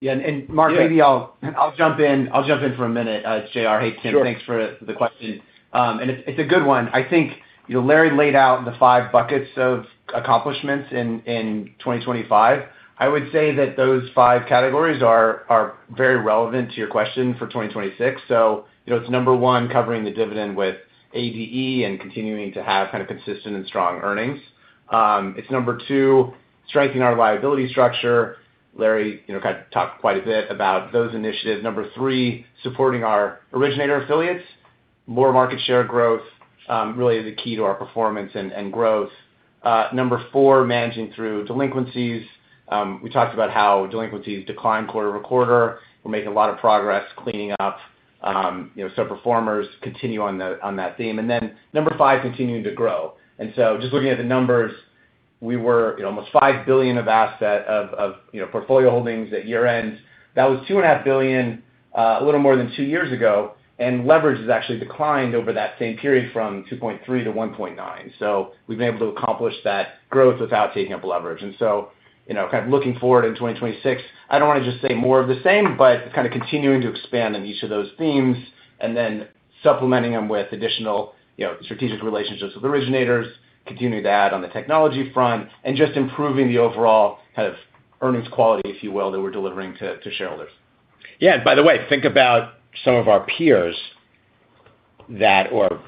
Yeah, and Mark, maybe I'll jump in for a minute, J.R. Hey, Tim. Sure. Thanks for the question. And it's a good one. I think, you know, Larry laid out the five buckets of accomplishments in 2025. I would say that those five categories are very relevant to your question for 2026. You know, it's number one, covering the dividend with ADE and continuing to have kind of consistent and strong earnings. It's number two, strengthening our liability structure. Larry, you know, talked quite a bit about those initiatives. Number three, supporting our originator affiliates. More market share growth, really is a key to our performance and growth. Number four, managing through delinquencies. We talked about how delinquencies declined quarter-over-quarter. We're making a lot of progress cleaning up, you know, subperformers continue on that theme. Number five, continuing to grow. Just looking at the numbers, we were, you know, almost $5 billion of, you know, portfolio holdings at year-end. That was $2.5 billion, a little more than two years ago, and leverage has actually declined over that same period from 2.3-1.9. We've been able to accomplish that growth without taking up leverage. You know, kind of looking forward in 2026, I don't want to just say more of the same, but kind of continuing to expand on each of those themes and then supplementing them with additional, you know, strategic relationships with originators, continuing to add on the technology front, and just improving the overall kind of earnings quality, if you will, that we're delivering to shareholders. By the way, think about some of our peers that or,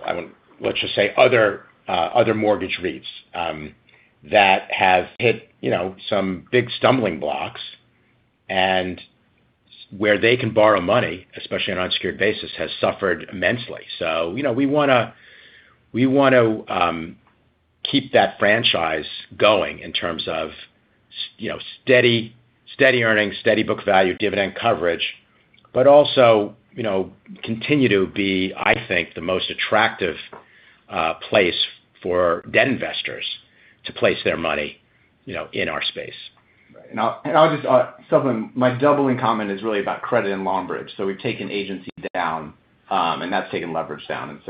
let's just say other mortgage REITs, that have hit, you know, some big stumbling blocks and where they can borrow money, especially on an unsecured basis, has suffered immensely. You know, we want to keep that franchise going in terms of you know, steady earnings, steady book value, dividend coverage, but also, you know, continue to be, I think, the most attractive place for debt investors to place their money, you know, in our space. Right. I'll just supplement. My doubling comment is really about credit and Longbridge. We've taken agency down, and that's taken leverage down.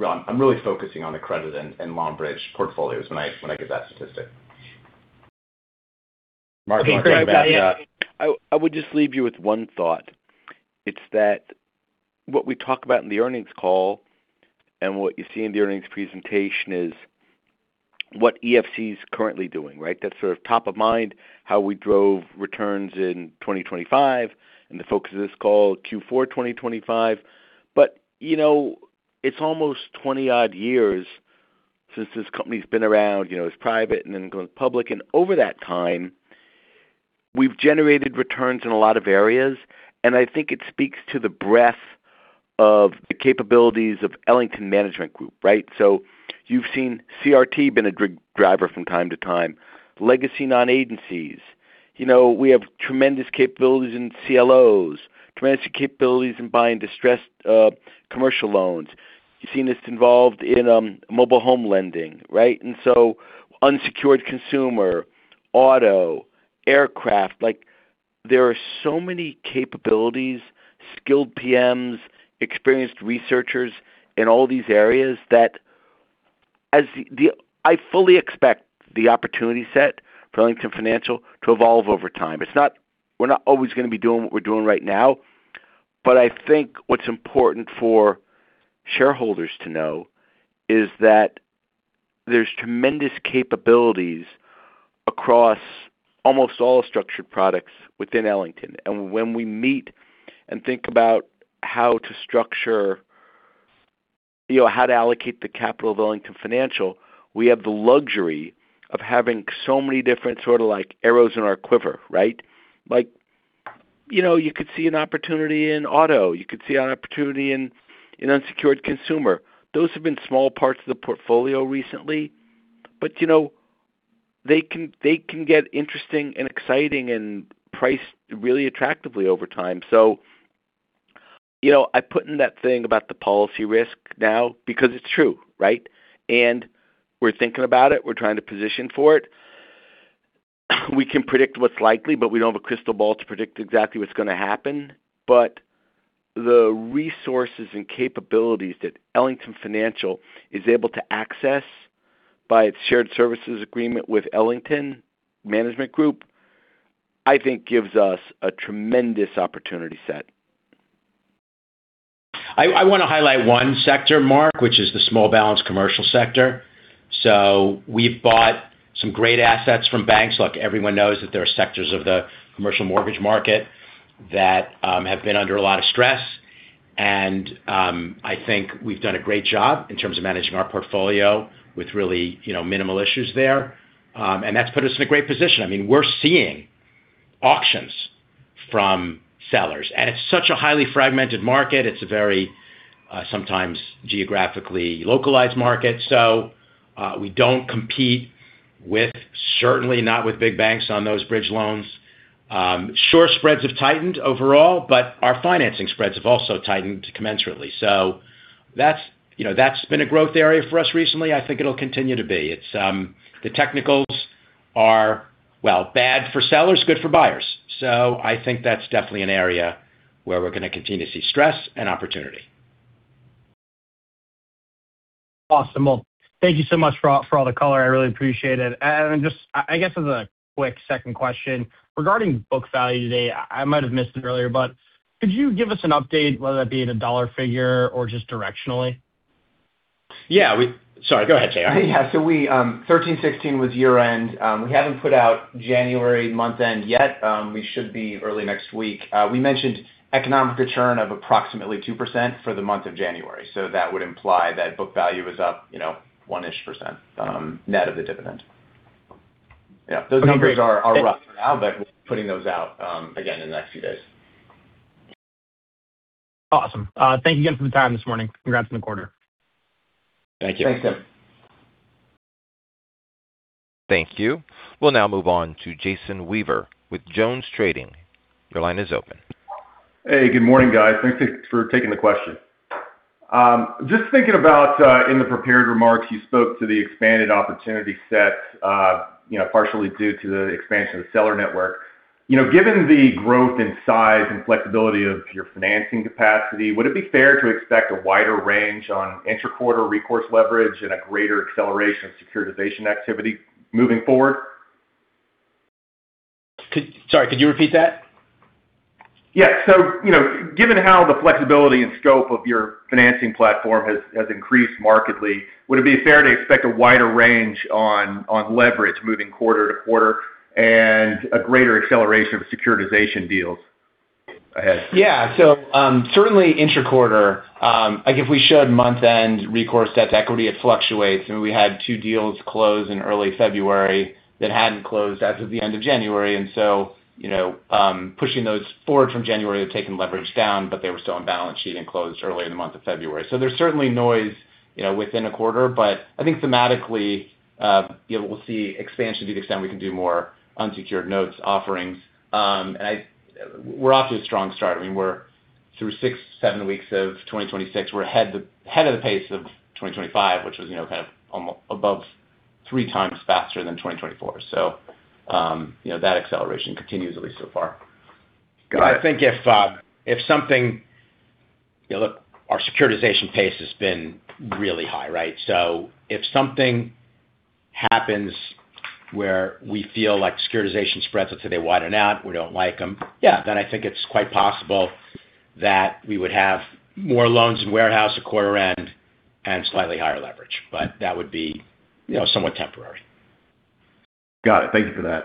I'm really focusing on the credit and Longbridge portfolios when I give that statistic. Mark, one thing about, I would just leave you with one thought. It's that what we talk about in the earnings call and what you see in the earnings presentation is what EFC is currently doing, right? That's sort of top of mind, how we drove returns in 2025, and the focus of this call, Q4 2025. You know, it's almost 20-odd years since this company's been around. You know, it's private and then going public, and over that time, we've generated returns in a lot of areas, and I think it speaks to the breadth of the capabilities of Ellington Management Group, right? You've seen CRT been a driver from time to time, legacy non-agencies. You know, we have tremendous capabilities in CLOs, tremendous capabilities in buying distressed commercial loans. You've seen us involved in mobile home lending, right? unsecured consumer, auto, aircraft, like, there are so many capabilities, skilled PMs, experienced researchers in all these areas that I fully expect the opportunity set for Ellington Financial to evolve over time. We're not always gonna be doing what we're doing right now, but I think what's important for shareholders to know is that there's tremendous capabilities across almost all structured products within Ellington. When we meet and think about how to structure, you know, how to allocate the capital of Ellington Financial, we have the luxury of having so many different sort of like arrows in our quiver, right? Like, you know, you could see an opportunity in auto, you could see an opportunity in unsecured consumer. Those have been small parts of the portfolio recently, you know, they can get interesting and exciting and priced really attractively over time. You know, I put in that thing about the policy risk now because it's true, right? We're thinking about it. We're trying to position for it. We can predict what's likely, we don't have a crystal ball to predict exactly what's gonna happen. The resources and capabilities that Ellington Financial is able to access by its shared services agreement with Ellington Management Group, I think gives us a tremendous opportunity set. I wanna highlight one sector, Mark, which is the small balance commercial sector. We've bought some great assets from banks. Look, everyone knows that there are sectors of the commercial mortgage market that have been under a lot of stress, and I think we've done a great job in terms of managing our portfolio with really, you know, minimal issues there. That's put us in a great position. I mean, we're seeing auctions from sellers, and it's such a highly fragmented market. It's a very, sometimes geographically localized market. We don't compete with, certainly not with big banks on those bridge loans. Sure, spreads have tightened overall, our financing spreads have also tightened commensurately. That's, you know, that's been a growth area for us recently. I think it'll continue to be. It's, the technicals are, well, bad for sellers, good for buyers. I think that's definitely an area where we're going to continue to see stress and opportunity. Awesome. Well, thank you so much for all the color. I really appreciate it. Just, I guess as a quick second question, regarding book value today, I might have missed it earlier, but could you give us an update, whether that be in a dollar figure or just directionally? Yeah, Sorry, go ahead, J.R. We, $13.16 was year-end. We haven't put out January month-end yet. We should be early next week. We mentioned economic return of approximately 2% for the month of January, that would imply that book value is up, you know, one-ish%, net of the dividend. Yeah. Those numbers are rough for now, but we're putting those out again in the next few days. Awesome. Thank you again for the time this morning. Congrats on the quarter. Thank you. Thanks, Tim. Thank you. We'll now move on to Jason Weaver with JonesTrading. Your line is open. Hey, good morning, guys. Thanks for taking the question. Just thinking about in the prepared remarks, you spoke to the expanded opportunity set, you know, partially due to the expansion of the seller network. You know, given the growth and size and flexibility of your financing capacity, would it be fair to expect a wider range on intra-quarter recourse leverage and a greater acceleration of securitization activity moving forward? Sorry, could you repeat that? Yeah. You know, given how the flexibility and scope of your financing platform has increased markedly, would it be fair to expect a wider range on leverage moving quarter to quarter and a greater acceleration of securitization deals? Yeah. Certainly intra-quarter. Like, if we showed month-end recourse debt to equity, it fluctuates. I mean, we had two deals close in early February that hadn't closed as of the end of January, and so, you know, pushing those forward from January had taken leverage down, but they were still on balance sheet and closed early in the month of February. There's certainly noise, you know, within a quarter, but I think thematically, you know, we'll see expansion to the extent we can do more unsecured notes offerings. And we're off to a strong start. I mean, we're through six, seven weeks of 2026. We're ahead of the pace of 2025, which was, you know, kind of above three times faster than 2024. You know, that acceleration continues, at least so far. Got it. I think. Yeah, look, our securitization pace has been really high, right? If something happens where we feel like securitization spreads, let's say, they widen out, we don't like them, yeah, then I think it's quite possible that we would have more loans in warehouse at quarter end and slightly higher leverage, but that would be, you know, somewhat temporary. Got it. Thank you for that.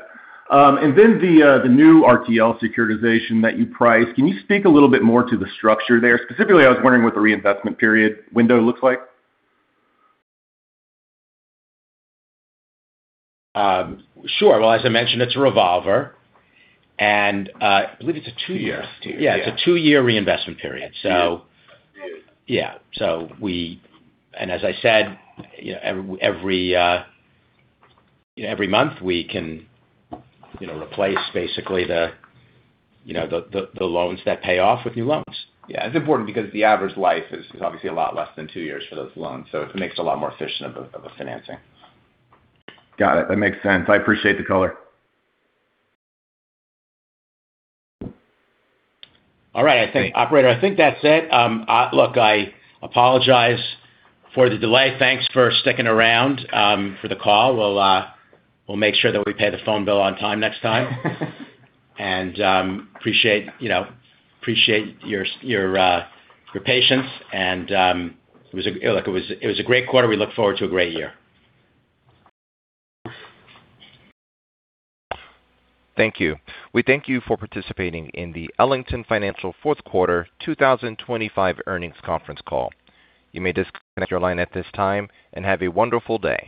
The new RTL securitization that you priced, can you speak a little bit more to the structure there? Specifically, I was wondering what the reinvestment period window looks like. Sure. Well, as I mentioned, it's a revolver and I believe it's a two-year. Two years, yeah. Yeah, it's a two-year reinvestment period. two years. Yeah. As I said, you know, every month we can, you know, replace basically the, you know, the loans that pay off with new loans. It's important because the average life is obviously a lot less than two years for those loans, so it makes it a lot more efficient of a, of a financing. Got it. That makes sense. I appreciate the color. All right. I think, operator, I think that's it. Look, I apologize for the delay. Thanks for sticking around for the call. We'll make sure that we pay the phone bill on time next time. Appreciate, you know, appreciate your patience, and it was a great quarter. We look forward to a great year. Thank you. We thank you for participating in the Ellington Financial fourth quarter 2025 earnings conference call. You may disconnect your line at this time, and have a wonderful day.